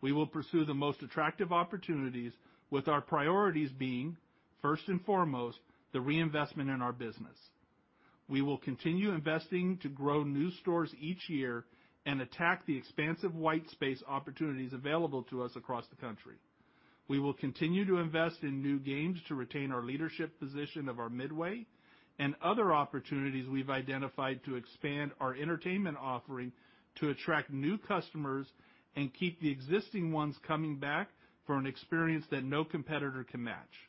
We will pursue the most attractive opportunities, with our priorities being, first and foremost, the reinvestment in our business. We will continue investing to grow new stores each year and attack the expansive white space opportunities available to us across the country. We will continue to invest in new games to retain our leadership position of our midway and other opportunities we've identified to expand our entertainment offering to attract new customers and keep the existing ones coming back for an experience that no competitor can match.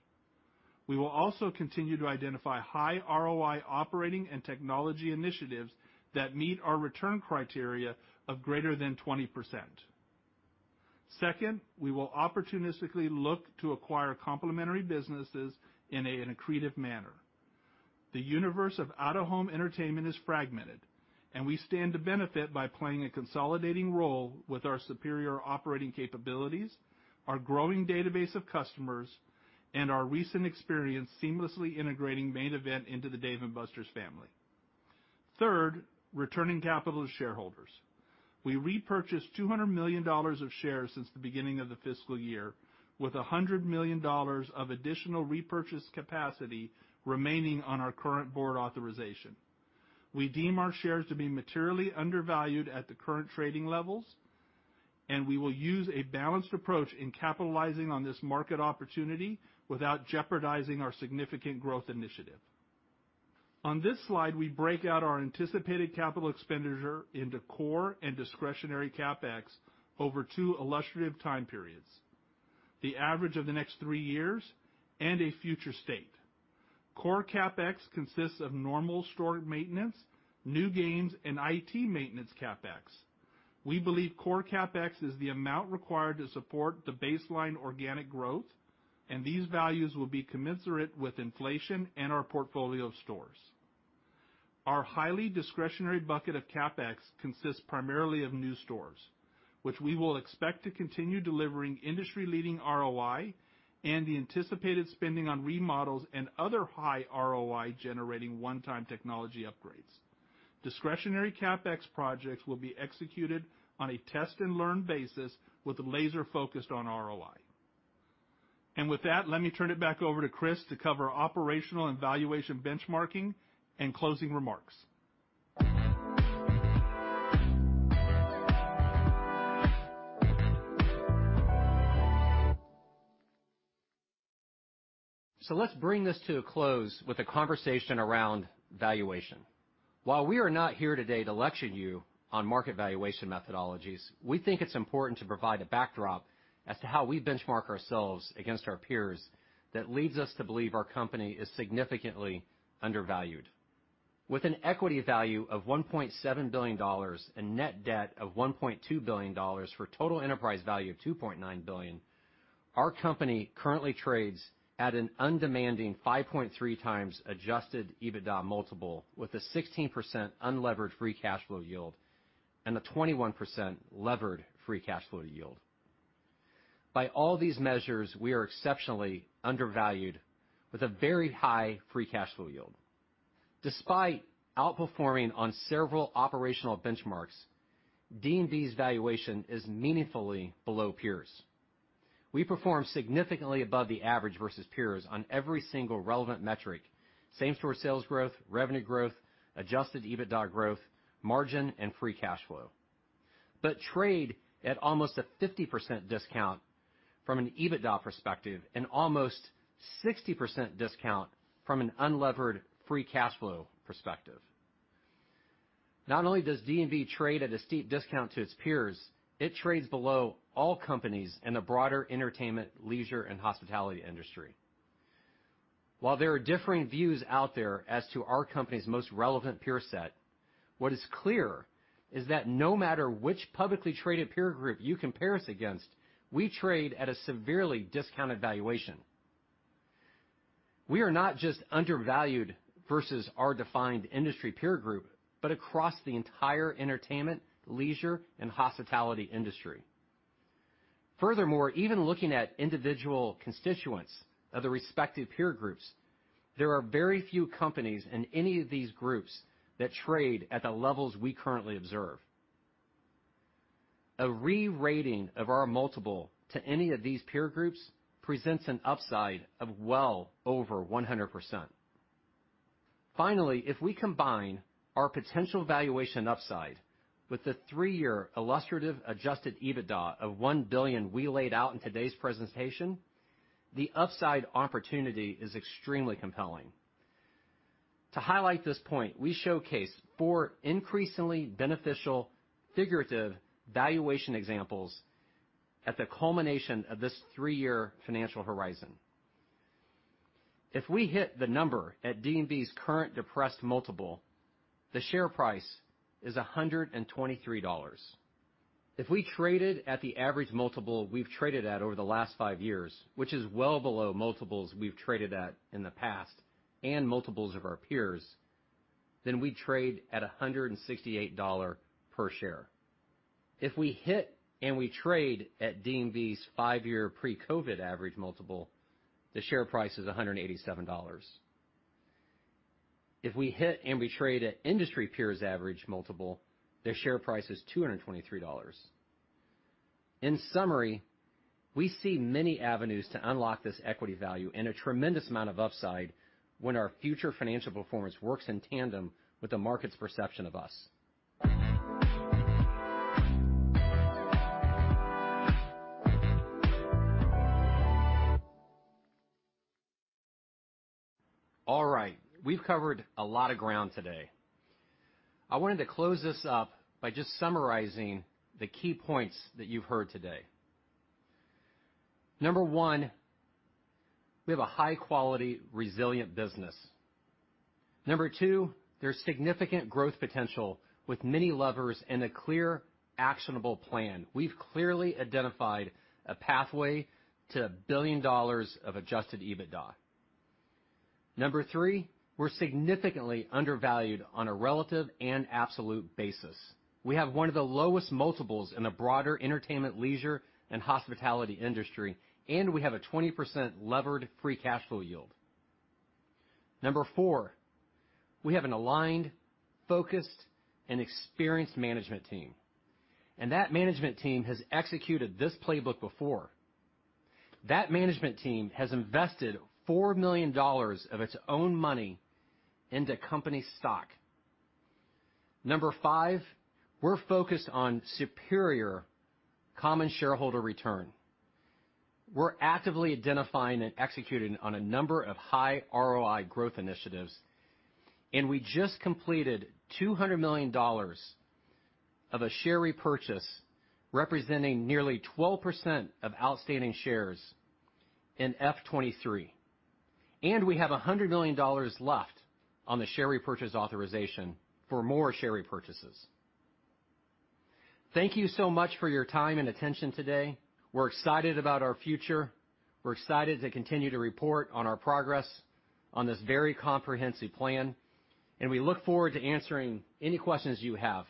We will also continue to identify high ROI operating and technology initiatives that meet our return criteria of greater than 20%. Second, we will opportunistically look to acquire complementary businesses in an accretive manner. The universe of out-of-home entertainment is fragmented. We stand to benefit by playing a consolidating role with our superior operating capabilities, our growing database of customers, and our recent experience seamlessly integrating Main Event into the Dave & Buster's family. Third, returning capital to shareholders. We repurchased $200 million of shares since the beginning of the fiscal year, with $100 million of additional repurchase capacity remaining on our current board authorization. We deem our shares to be materially undervalued at the current trading levels. We will use a balanced approach in capitalizing on this market opportunity without jeopardizing our significant growth initiative. On this slide, we break out our anticipated capital expenditure into core and discretionary CapEx over two illustrative time periods, the average of the next three years and a future state. Core CapEx consists of normal store maintenance, new games, and IT maintenance CapEx. We believe core CapEx is the amount required to support the baseline organic growth, and these values will be commensurate with inflation and our portfolio of stores. Our highly discretionary bucket of CapEx consists primarily of new stores, which we will expect to continue delivering industry-leading ROI and the anticipated spending on remodels and other high ROI-generating one-time technology upgrades. Discretionary CapEx projects will be executed on a test-and-learn basis with a laser focused on ROI. With that, let me turn it back over to Chris to cover operational and valuation benchmarking and closing remarks. Let's bring this to a close with a conversation around valuation. While we are not here today to lecture you on market valuation methodologies, we think it's important to provide a backdrop as to how we benchmark ourselves against our peers that leads us to believe our company is significantly undervalued. With an equity value of $1.7 billion and net debt of $1.2 billion for total enterprise value of $2.9 billion. Our company currently trades at an undemanding 5.3x adjusted EBITDA multiple, with a 16% unlevered free cash flow yield and a 21% levered free cash flow yield. By all these measures, we are exceptionally undervalued, with a very high free cash flow yield. Despite outperforming on several operational benchmarks, D&B's valuation is meaningfully below peers. We perform significantly above the average versus peers on every single relevant metric: same-store sales growth, revenue growth, adjusted EBITDA growth, margin, and free cash flow. We trade at almost a 50% discount from an EBITDA perspective and almost 60% discount from an unlevered free cash flow perspective. Not only does D&B trade at a steep discount to its peers, it trades below all companies in the broader entertainment, leisure, and hospitality industry. While there are differing views out there as to our company's most relevant peer set, what is clear is that no matter which publicly traded peer group you compare us against, we trade at a severely discounted valuation. We are not just undervalued versus our defined industry peer group, but across the entire entertainment, leisure, and hospitality industry. Even looking at individual constituents of the respective peer groups, there are very few companies in any of these groups that trade at the levels we currently observe. A re-rating of our multiple to any of these peer groups presents an upside of well over 100%. If we combine our potential valuation upside with the three-year illustrative adjusted EBITDA of $1 billion we laid out in today's presentation, the upside opportunity is extremely compelling. We showcase four increasingly beneficial figurative valuation examples at the culmination of this three-year financial horizon. If we hit the number at D&B's current depressed multiple, the share price is $123. If we traded at the average multiple we've traded at over the last five years, which is well below multiples we've traded at in the past and multiples of our peers, then we trade at $168 per share. If we hit and we trade at D&B's five-year pre-COVID average multiple, the share price is $187. If we hit and we trade at industry peers' average multiple, the share price is $223. In summary, we see many avenues to unlock this equity value and a tremendous amount of upside when our future financial performance works in tandem with the market's perception of us. All right, we've covered a lot of ground today. I wanted to close this up by just summarizing the key points that you've heard today. Number one, we have a high-quality, resilient business. Number two, there's significant growth potential with many levers and a clear, actionable plan. We've clearly identified a pathway to $1 billion of Adjusted EBITDA. Number three, we're significantly undervalued on a relative and absolute basis. We have one of the lowest multiples in the broader entertainment, leisure, and hospitality industry, and we have a 20% levered free cash flow yield. Number four, we have an aligned, focused, and experienced management team, and that management team has executed this playbook before. That management team has invested $4 million of its own money into company stock. Number five, we're focused on superior common shareholder return. We're actively identifying and executing on a number of high ROI growth initiatives, and we just completed $200 million of a share repurchase, representing nearly 12% of outstanding shares in F23, and we have $100 million left on the share repurchase authorization for more share repurchases. Thank you so much for your time and attention today. We're excited about our future. We're excited to continue to report on our progress on this very comprehensive plan, and we look forward to answering any questions you have.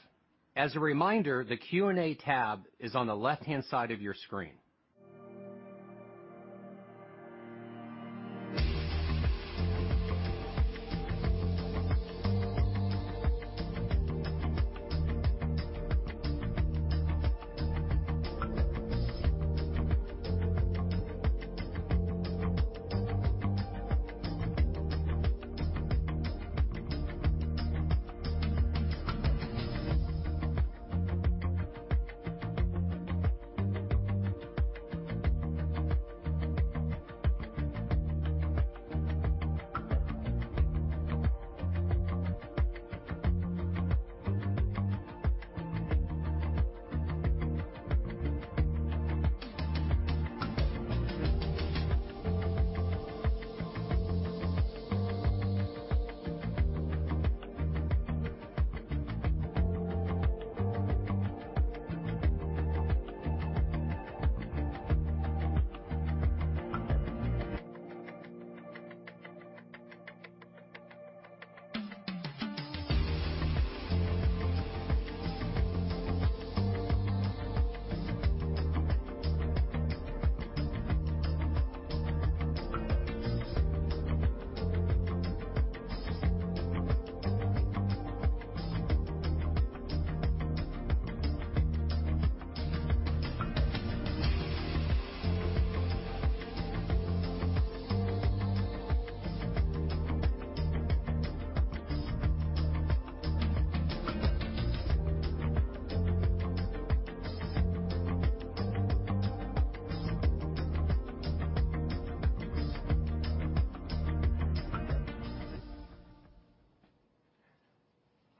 As a reminder, the Q&A tab is on the left-hand side of your screen.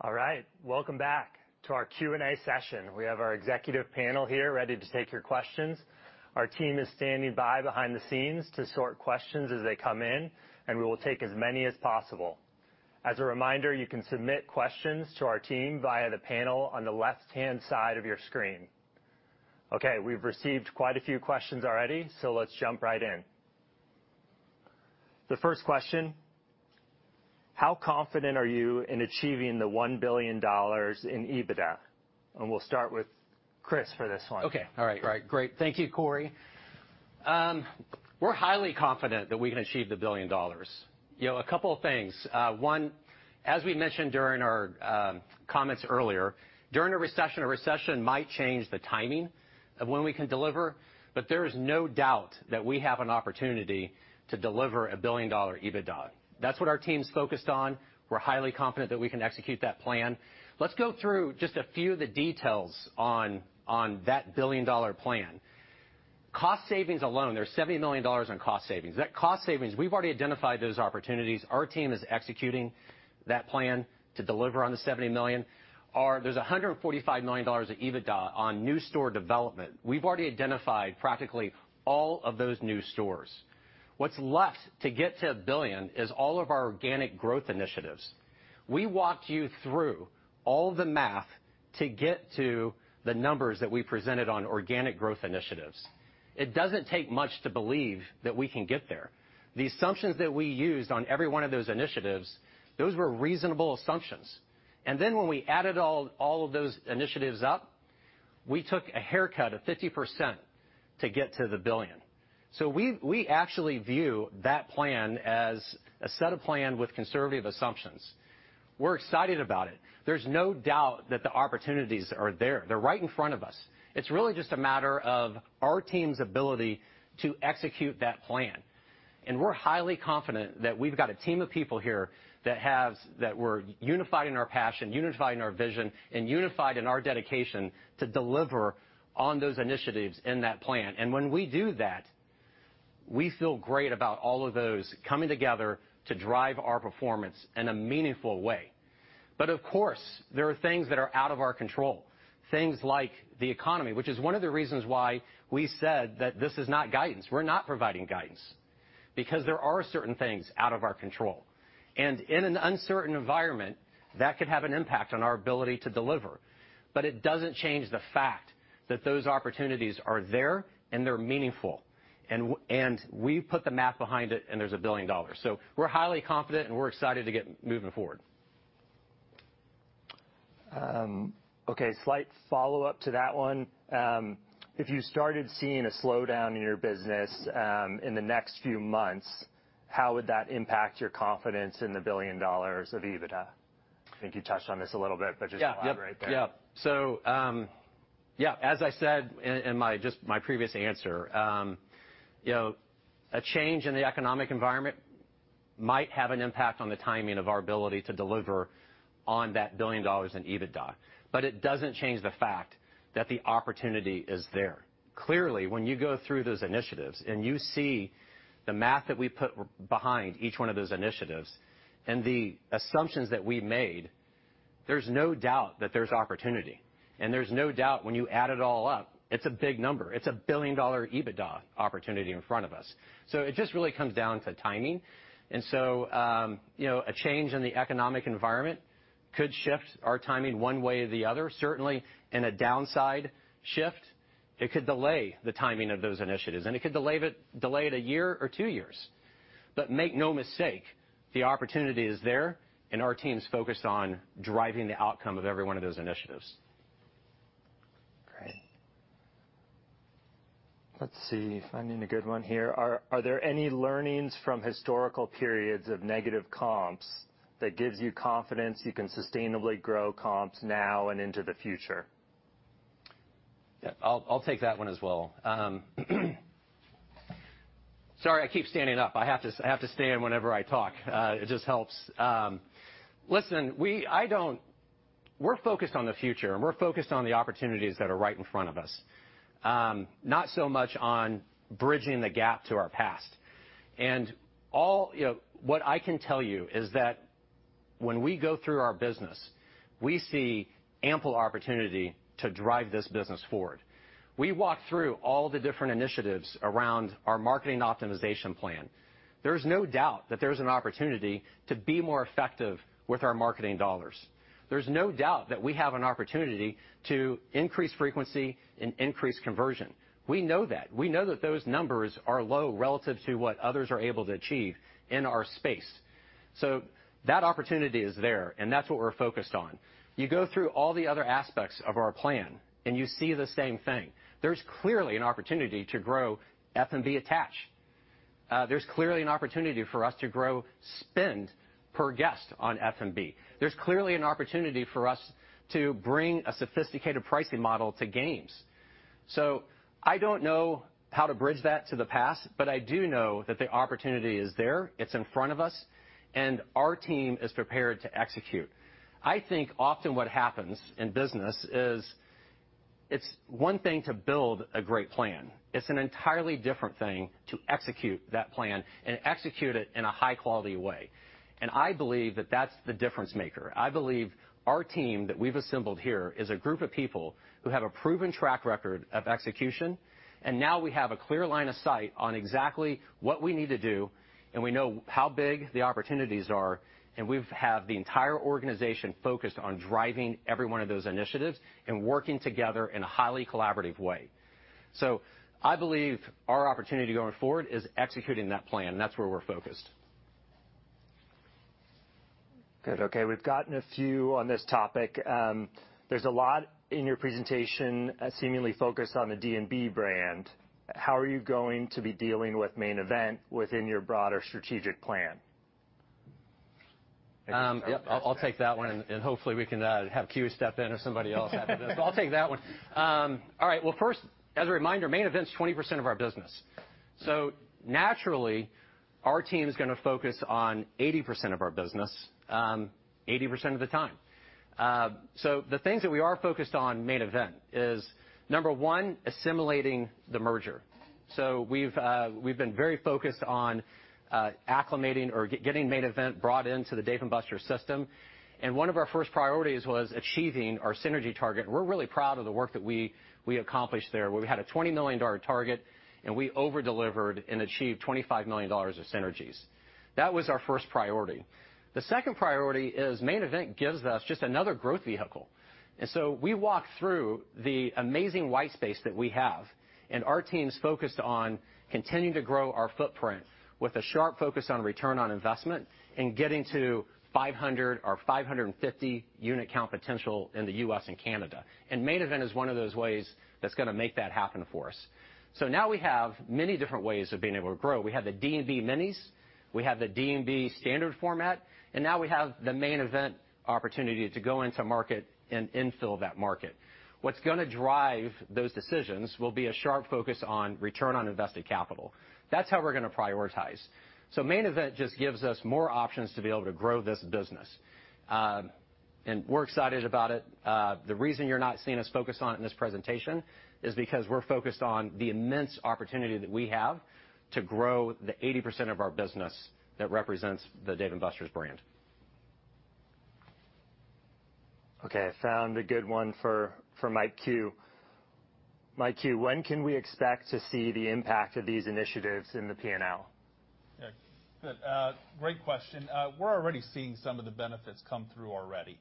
All right, welcome back to our Q&A session. We have our executive panel here ready to take your questions. Our team is standing by behind the scenes to sort questions as they come in, and we will take as many as possible. As a reminder, you can submit questions to our team via the panel on the left-hand side of your screen. Okay, we've received quite a few questions already, so let's jump right in. The first question: How confident are you in achieving the $1 billion in EBITDA? We'll start with Chris for this one. Okay. All right. All right, great. Thank you, Cory. We're highly confident that we can achieve the $1 billion. You know, a couple of things. One, as we mentioned during our comments earlier, during a recession, a recession might change the timing of when we can deliver, but there is no doubt that we have an opportunity to deliver a billion-dollar EBITDA. That's what our team's focused on. We're highly confident that we can execute that plan. Let's go through just a few of the details on that billion-dollar plan. Cost savings alone, there's $70 million in cost savings. That cost savings, we've already identified those opportunities. Our team is executing that plan to deliver on the $70 million. There's $145 million of EBITDA on new store development. We've already identified practically all of those new stores. What's left to get to $1 billion is all of our organic growth initiatives. We walked you through all the math to get to the numbers that we presented on organic growth initiatives. It doesn't take much to believe that we can get there. The assumptions that we used on every one of those initiatives, those were reasonable assumptions. Then when we added all of those initiatives up, we took a haircut of 50% to get to $1 billion. We actually view that plan as a set of plan with conservative assumptions. We're excited about it. There's no doubt that the opportunities are there. They're right in front of us. It's really just a matter of our team's ability to execute that plan. We're highly confident that we've got a team of people here that we're unified in our passion, unified in our vision, and unified in our dedication to deliver on those initiatives in that plan. When we do that, we feel great about all of those coming together to drive our performance in a meaningful way. Of course, there are things that are out of our control, things like the economy, which is one of the reasons why we said that this is not guidance. We're not providing guidance because there are certain things out of our control, and in an uncertain environment, that could have an impact on our ability to deliver. It doesn't change the fact that those opportunities are there, and they're meaningful, and we put the math behind it, and there's $1 billion. We're highly confident, and we're excited to get moving forward. Okay, slight follow-up to that one. If you started seeing a slowdown in your business, in the next few months, how would that impact your confidence in the $1 billion of EBITDA? I think you touched on this a little bit, but just elaborate there. Yeah. Yeah, as I said in my just my previous answer, you know, a change in the economic environment might have an impact on the timing of our ability to deliver on that $1 billion in EBITDA, but it doesn't change the fact that the opportunity is there. Clearly, when you go through those initiatives and you see the math that we put behind each one of those initiatives and the assumptions that we made, there's no doubt that there's opportunity, and there's no doubt when you add it all up, it's a big number. It's a $1 billion-dollar EBITDA opportunity in front of us. It just really comes down to timing. You know, a change in the economic environment could shift our timing one way or the other. Certainly, in a downside shift, it could delay the timing of those initiatives, and it could delay it a year or two years. Make no mistake, the opportunity is there, and our team's focused on driving the outcome of every one of those initiatives. Great. Let's see, finding a good one here. Are there any learnings from historical periods of negative comps that gives you confidence you can sustainably grow comps now and into the future? Yeah, I'll take that one as well. Sorry, I keep standing up. I have to stand whenever I talk. It just helps. Listen, we're focused on the future, we're focused on the opportunities that are right in front of us, not so much on bridging the gap to our past. You know, what I can tell you is that when we go through our business, we see ample opportunity to drive this business forward. We walk through all the different initiatives around our marketing optimization plan. There's no doubt that there's an opportunity to be more effective with our marketing dollars. There's no doubt that we have an opportunity to increase frequency and increase conversion. We know that. We know that those numbers are low relative to what others are able to achieve in our space. That opportunity is there, and that's what we're focused on. You go through all the other aspects of our plan, and you see the same thing. There's clearly an opportunity to grow F&B attach. There's clearly an opportunity for us to grow spend per guest on F&B. There's clearly an opportunity for us to bring a sophisticated pricing model to games. I don't know how to bridge that to the past, but I do know that the opportunity is there, it's in front of us, and our team is prepared to execute. I think often what happens in business is, it's one thing to build a great plan. It's an entirely different thing to execute that plan and execute it in a high-quality way, and I believe that that's the difference-maker. I believe our team that we've assembled here is a group of people who have a proven track record of execution. Now we have a clear line of sight on exactly what we need to do. We know how big the opportunities are. We've had the entire organization focused on driving every one of those initiatives and working together in a highly collaborative way. I believe our opportunity going forward is executing that plan. That's where we're focused. Good. Okay, we've gotten a few on this topic. There's a lot in your presentation seemingly focused on the D&B brand. How are you going to be dealing with Main Event within your broader strategic plan? I'll take that one, and hopefully, we can have Q step in or somebody else after this. I'll take that one. All right. Well, first, as a reminder, Main Event's 20% of our business. Naturally, our team is gonna focus on 80% of our business, 80% of the time. The things that we are focused on Main Event is, number one, assimilating the merger. We've been very focused on acclimating or getting Main Event brought into the Dave & Buster's system, and one of our first priorities was achieving our synergy target. We're really proud of the work that we accomplished there, where we had a $20 million target, and we over-delivered and achieved $25 million of synergies. That was our first priority. The second priority is Main Event gives us just another growth vehicle. We walked through the amazing white space that we have, and our team's focused on continuing to grow our footprint with a sharp focus on ROI and getting to 500 or 550 unit count potential in the U.S. and Canada. Main Event is one of those ways that's gonna make that happen for us. Now we have many different ways of being able to grow. We have the D&B Minis, we have the D&B standard format, and now we have the Main Event opportunity to go into market and infill that market. What's gonna drive those decisions will be a sharp focus on return on invested capital. That's how we're gonna prioritize. Main Event just gives us more options to be able to grow this business. We're excited about it. The reason you're not seeing us focus on it in this presentation is because we're focused on the immense opportunity that we have to grow the 80% of our business that represents the Dave & Buster's brand. Okay, I found a good one for Mike Q. Mike Q, when can we expect to see the impact of these initiatives in the P&L? Yeah. Good. great question. We're already seeing some of the benefits come through already.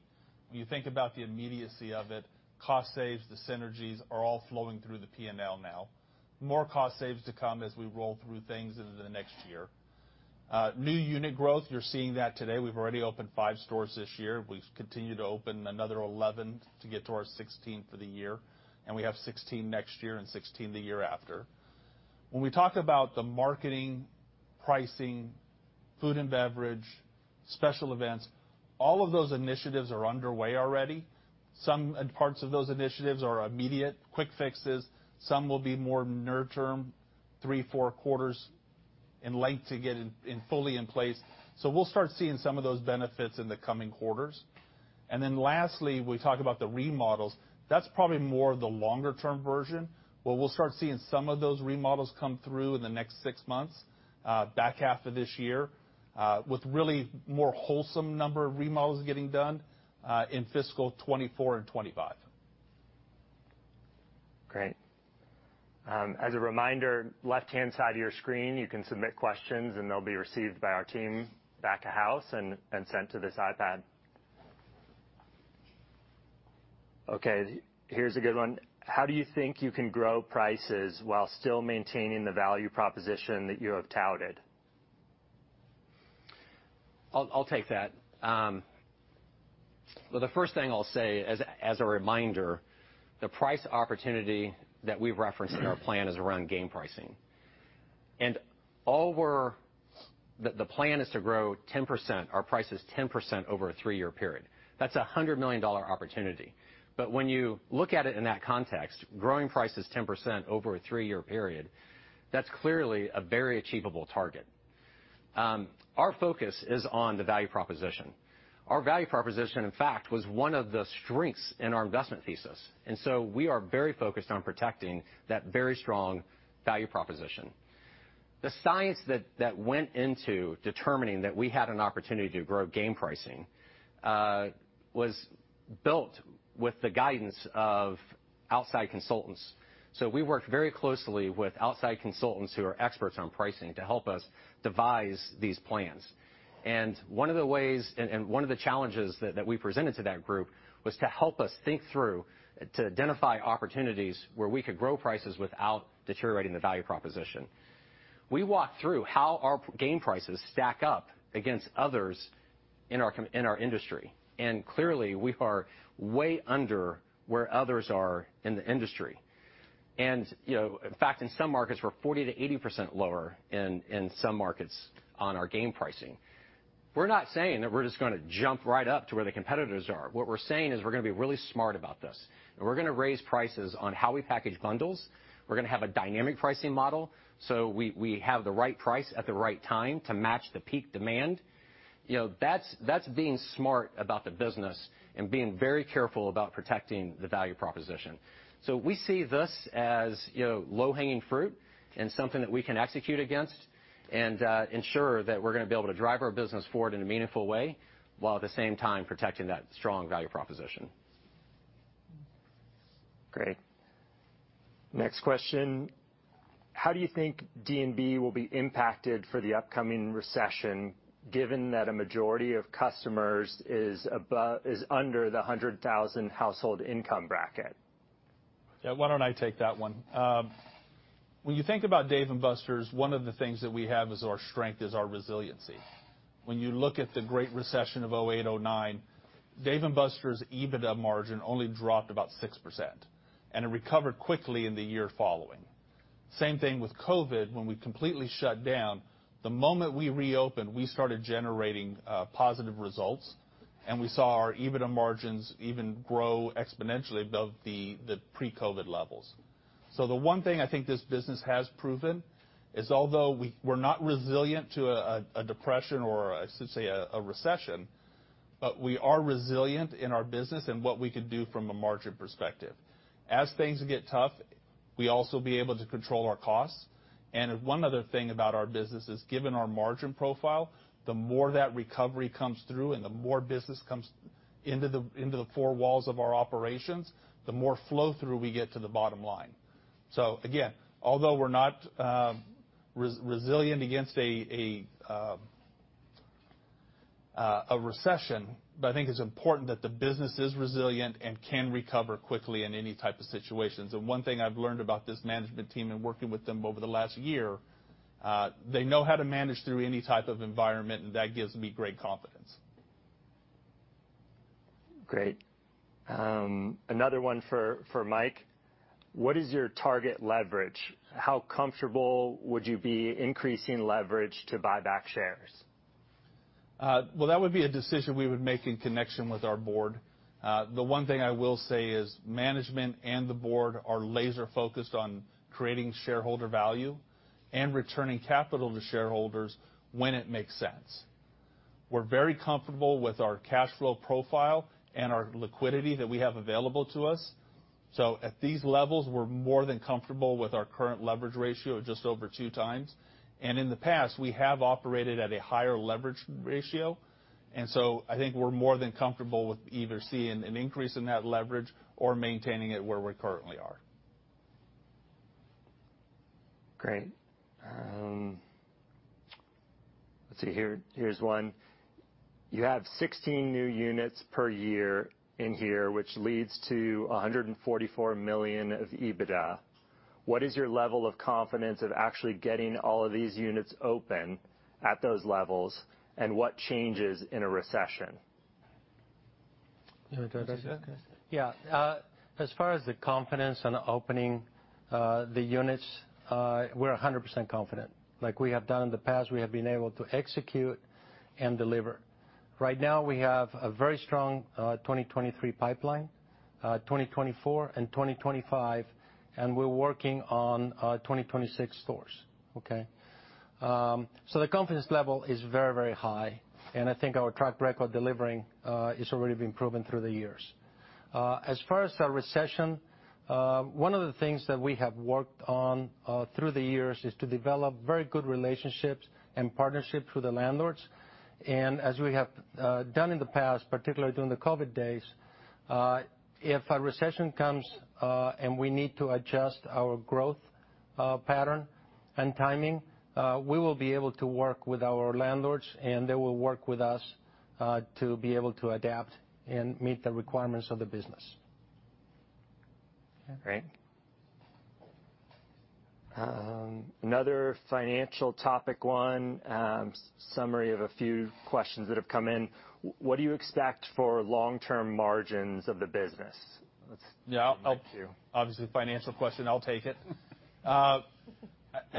When you think about the immediacy of it, cost saves, the synergies are all flowing through the P&L now. More cost saves to come as we roll through things into the next year. New unit growth, you're seeing that today. We've already opened five stores this year. We've continued to open another 11 to get to our 16 for the year, and we have 16 next year and 16 the year after. When we talk about the marketing, pricing, food and beverage, special events, all of those initiatives are underway already. Some parts of those initiatives are immediate, quick fixes, some will be more near term, three, four quarters in length to get in, fully in place. We'll start seeing some of those benefits in the coming quarters. Lastly, we talk about the remodels. That's probably more the longer-term version, but we'll start seeing some of those remodels come through in the next six months, back half of this year, with really more wholesome number of remodels getting done, in fiscal 2024 and 2025. Great. As a reminder, left-hand side of your screen, you can submit questions, and they'll be received by our team back to house and sent to this iPad. Okay, here's a good one: How do you think you can grow prices while still maintaining the value proposition that you have touted? I'll take that. Well, the first thing I'll say as a reminder, the price opportunity that we've referenced in our plan is around game pricing. The plan is to grow 10%, our prices 10% over a three-year period. That's a $100 million opportunity. When you look at it in that context, growing prices 10% over a three-year period, that's clearly a very achievable target. Our focus is on the value proposition. Our value proposition, in fact, was one of the strengths in our investment thesis. We are very focused on protecting that very strong value proposition. The science that went into determining that we had an opportunity to grow game pricing was built with the guidance of outside consultants. We worked very closely with outside consultants who are experts on pricing to help us devise these plans. One of the ways, and one of the challenges that we presented to that group was to help us think through, to identify opportunities where we could grow prices without deteriorating the value proposition. We walked through how our game prices stack up against others in our industry, and clearly, we are way under where others are in the industry. You know, in fact, in some markets, we're 40% to 80% lower in some markets on our game pricing. We're not saying that we're just gonna jump right up to where the competitors are. What we're saying is we're gonna be really smart about this, and we're gonna raise prices on how we package bundles. We're gonna have a dynamic pricing model, so we have the right price at the right time to match the peak demand. You know, that's being smart about the business and being very careful about protecting the value proposition. We see this as, you know, low-hanging fruit and something that we can execute against and ensure that we're gonna be able to drive our business forward in a meaningful way, while at the same time protecting that strong value proposition. Great. Next question: How do you think D&B will be impacted for the upcoming recession, given that a majority of customers is under the $100,000 household income bracket? Yeah, why don't I take that one? When you think about Dave & Buster's, one of the things that we have as our strength is our resiliency. When you look at the Great Recession of 2008, 2009, Dave & Buster's EBITDA margin only dropped about 6%, and it recovered quickly in the year following. Same thing with COVID, when we completely shut down. The moment we reopened, we started generating positive results, and we saw our EBITDA margins even grow exponentially above the pre-COVID levels. The one thing I think this business has proven is, although we're not resilient to a depression or I should say, a recession, but we are resilient in our business and what we could do from a margin perspective. As things get tough, we also be able to control our costs, and one other thing about our business is, given our margin profile, the more that recovery comes through, and the more business comes into the four walls of our operations, the more flow-through we get to the bottom line. Again, although we're not resilient against a recession, but I think it's important that the business is resilient and can recover quickly in any type of situations. One thing I've learned about this management team in working with them over the last year, they know how to manage through any type of environment, and that gives me great confidence. Great. another one for Mike: What is your target leverage? How comfortable would you be increasing leverage to buy back shares? Well, that would be a decision we would make in connection with our board. The one thing I will say is management and the board are laser-focused on creating shareholder value and returning capital to shareholders when it makes sense. We're very comfortable with our cash flow profile and our liquidity that we have available to us. At these levels, we're more than comfortable with our current leverage ratio of just over two times. In the past, we have operated at a higher leverage ratio. I think we're more than comfortable with either seeing an increase in that leverage or maintaining it where we currently are. Great. let's see here. Here's one. You have 16 new units per year in here, which leads to $144 million of EBITDA. What is your level of confidence of actually getting all of these units open at those levels, and what changes in a recession? You want me to take that? As far as the confidence on opening the units, we're 100% confident. Like we have done in the past, we have been able to execute and deliver. Right now, we have a very strong 2023 pipeline, 2024 and 2025, and we're working on 2026 stores, okay? The confidence level is very, very high, and I think our track record delivering has already been proven through the years. As far as the recession, one of the things that we have worked on through the years is to develop very good relationships and partnerships with the landlords. As we have done in the past, particularly during the COVID days, if a recession comes, and we need to adjust our growth pattern and timing, we will be able to work with our landlords, and they will work with us, to be able to adapt and meet the requirements of the business. Great. Another financial topic one, summary of a few questions that have come in: What do you expect for long-term margins of the business? Yeah. Thank you. Obviously, a financial question, I'll take it. I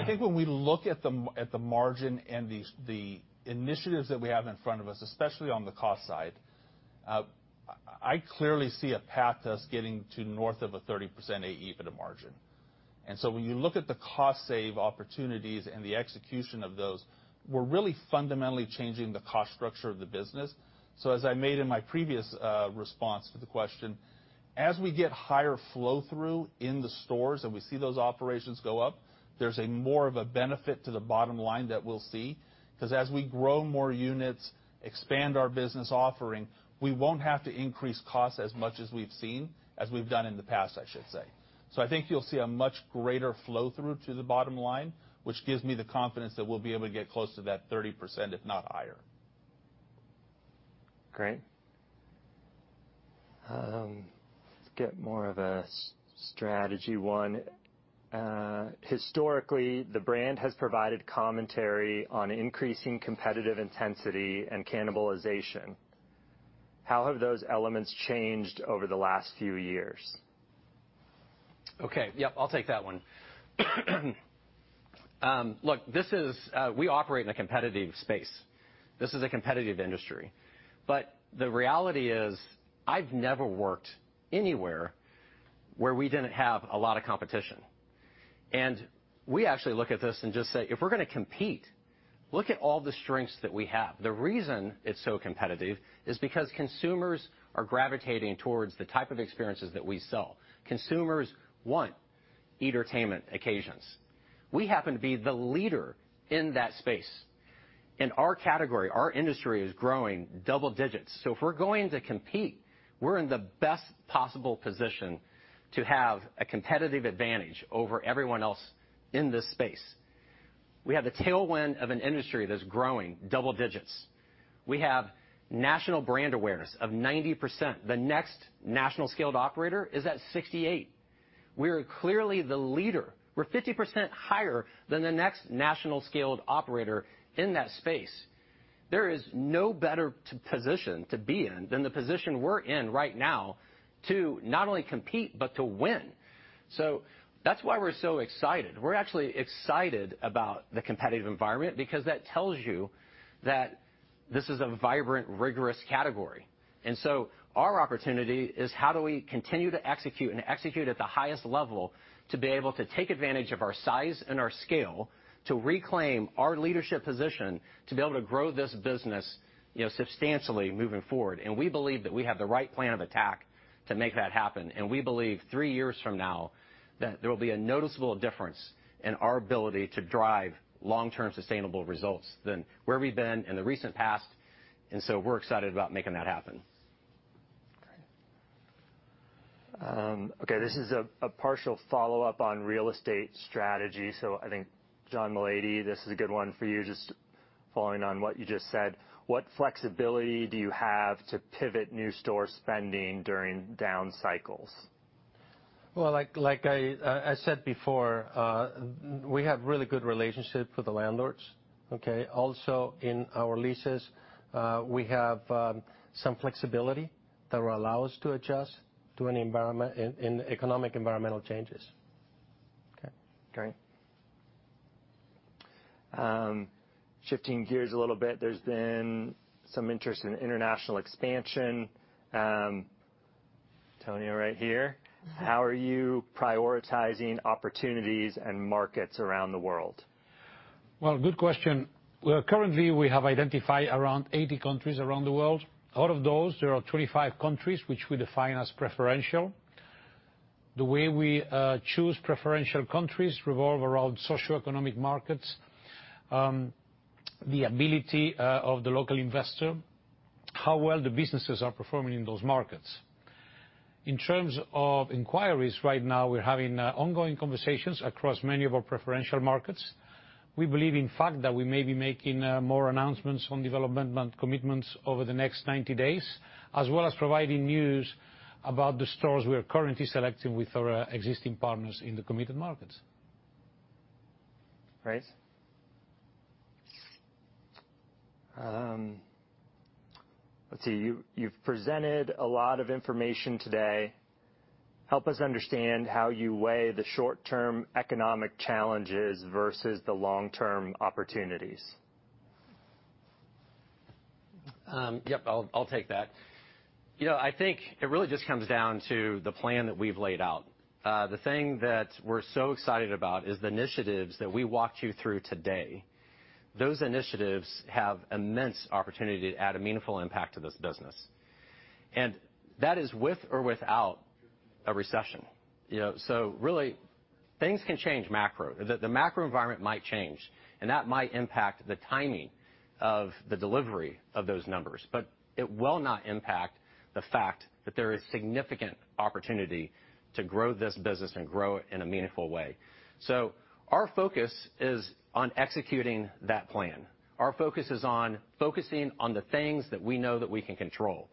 think when we look at the at the margin and these, the initiatives that we have in front of us, especially on the cost side, I clearly see a path to us getting to north of a 30% AE for the margin. When you look at the cost save opportunities and the execution of those, we're really fundamentally changing the cost structure of the business. As I made in my previous response to the question, as we get higher flow through in the stores and we see those operations go up, there's a more of a benefit to the bottom line that we'll see. As we grow more units, expand our business offering, we won't have to increase costs as much as we've seen, as we've done in the past, I should say. I think you'll see a much greater flow through to the bottom line, which gives me the confidence that we'll be able to get close to that 30%, if not higher. Great. Let's get more of a strategy one. Historically, the brand has provided commentary on increasing competitive intensity and cannibalization. How have those elements changed over the last few years? Okay. Yep, I'll take that one. look, this is, we operate in a competitive space. This is a competitive industry, the reality is, I've never worked anywhere where we didn't have a lot of competition. We actually look at this and just say, "If we're gonna compete, look at all the strengths that we have." The reason it's so competitive is because consumers are gravitating towards the type of experiences that we sell. Consumers want entertainment occasions. We happen to be the leader in that space. In our category, our industry is growing double digits, if we're going to compete, we're in the best possible position to have a competitive advantage over everyone else in this space. We have the tailwind of an industry that's growing double digits. We have national brand awareness of 90%. The next national scaled operator is at 68. We are clearly the leader. We're 50% higher than the next national scaled operator in that space. There is no better position to be in than the position we're in right now to not only compete, but to win. That's why we're so excited. We're actually excited about the competitive environment because that tells you that this is a vibrant, rigorous category. Our opportunity is how do we continue to execute and execute at the highest level to be able to take advantage of our size and our scale, to reclaim our leadership position, to be able to grow this business, you know, substantially moving forward? We believe that we have the right plan of attack to make that happen. We believe three years from now, that there will be a noticeable difference in our ability to drive long-term sustainable results than where we've been in the recent past. So we're excited about making that happen. Okay, this is a partial follow-up on real estate strategy. I think, John Mulleady, this is a good one for you, just following on what you just said. What flexibility do you have to pivot new store spending during down cycles? Like I said before, we have really good relationships with the landlords, okay? In our leases, we have some flexibility that will allow us to adjust to any economic, environmental changes. Okay. Great. Shifting gears a little bit, there's been some interest in international expansion. Tonio, right here. Mm-hmm. How are you prioritizing opportunities and markets around the world? Good question. Currently, we have identified around 80 countries around the world. Out of those, there are 25 countries which we define as preferential. The way we choose preferential countries revolve around socioeconomic markets, the ability of the local investor, how well the businesses are performing in those markets. In terms of inquiries, right now, we're having ongoing conversations across many of our preferential markets. We believe, in fact, that we may be making more announcements on development commitments over the next 90 days, as well as providing news about the stores we are currently selecting with our existing partners in the committed markets. Great. Let's see. You've presented a lot of information today. Help us understand how you weigh the short-term economic challenges versus the long-term opportunities. Yep, I'll take that. You know, I think it really just comes down to the plan that we've laid out. The thing that we're so excited about is the initiatives that we walked you through today. Those initiatives have immense opportunity to add a meaningful impact to this business, and that is with or without a recession, you know? Really, things can change macro. The macro environment might change, and that might impact the timing of the delivery of those numbers, but it will not impact the fact that there is significant opportunity to grow this business and grow it in a meaningful way. Our focus is on executing that plan. Our focus is on focusing on the things that we know that we can control.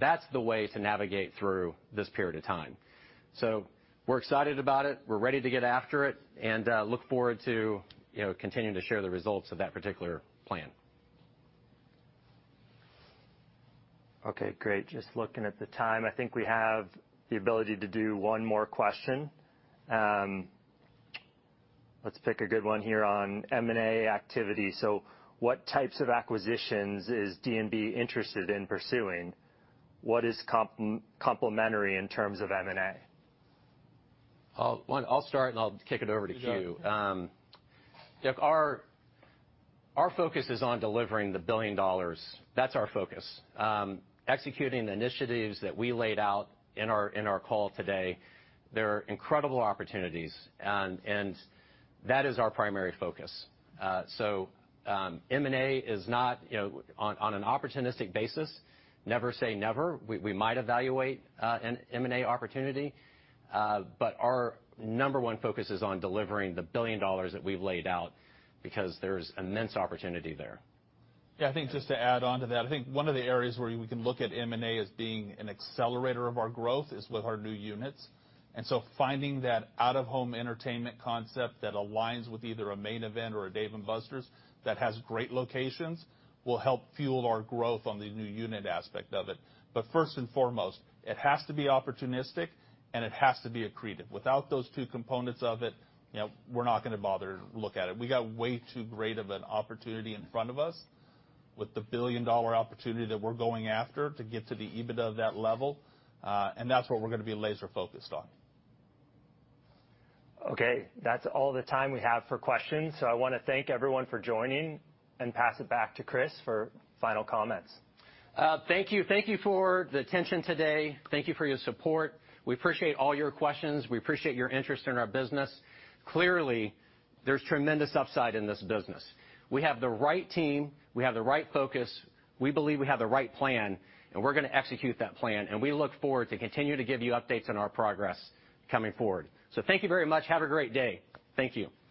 That's the way to navigate through this period of time. We're excited about it, we're ready to get after it, and look forward to, you know, continuing to share the results of that particular plan. Okay, great. Just looking at the time, I think we have the ability to do one more question. Let's pick a good one here on M&A activity. What types of acquisitions is D&B interested in pursuing? What is complementary in terms of M&A? I'll, one, I'll start, and I'll kick it over to you. Look, our focus is on delivering the $1 billion. That's our focus. Executing the initiatives that we laid out in our call today, there are incredible opportunities, and that is our primary focus. M&A is not, you know, on an opportunistic basis, never say never. We might evaluate, an M&A opportunity, but our number one focus is on delivering the $1 billion that we've laid out because there's immense opportunity there. Yeah, I think just to add on to that, I think one of the areas where we can look at M&A as being an accelerator of our growth is with our new units. Finding that out-of-home entertainment concept that aligns with either a Main Event or a Dave & Buster's that has great locations will help fuel our growth on the new unit aspect of it. First and foremost, it has to be opportunistic, and it has to be accretive. Without those two components of it, you know, we're not gonna bother to look at it. We got way too great of an opportunity in front of us with the billion-dollar opportunity that we're going after to get to the EBITDA of that level, and that's what we're gonna be laser focused on. Okay, that's all the time we have for questions, so I wanna thank everyone for joining and pass it back to Chris for final comments. Thank you. Thank you for the attention today. Thank you for your support. We appreciate all your questions. We appreciate your interest in our business. Clearly, there's tremendous upside in this business. We have the right team, we have the right focus, we believe we have the right plan, we're gonna execute that plan, we look forward to continue to give you updates on our progress coming forward. Thank you very much. Have a great day. Thank you!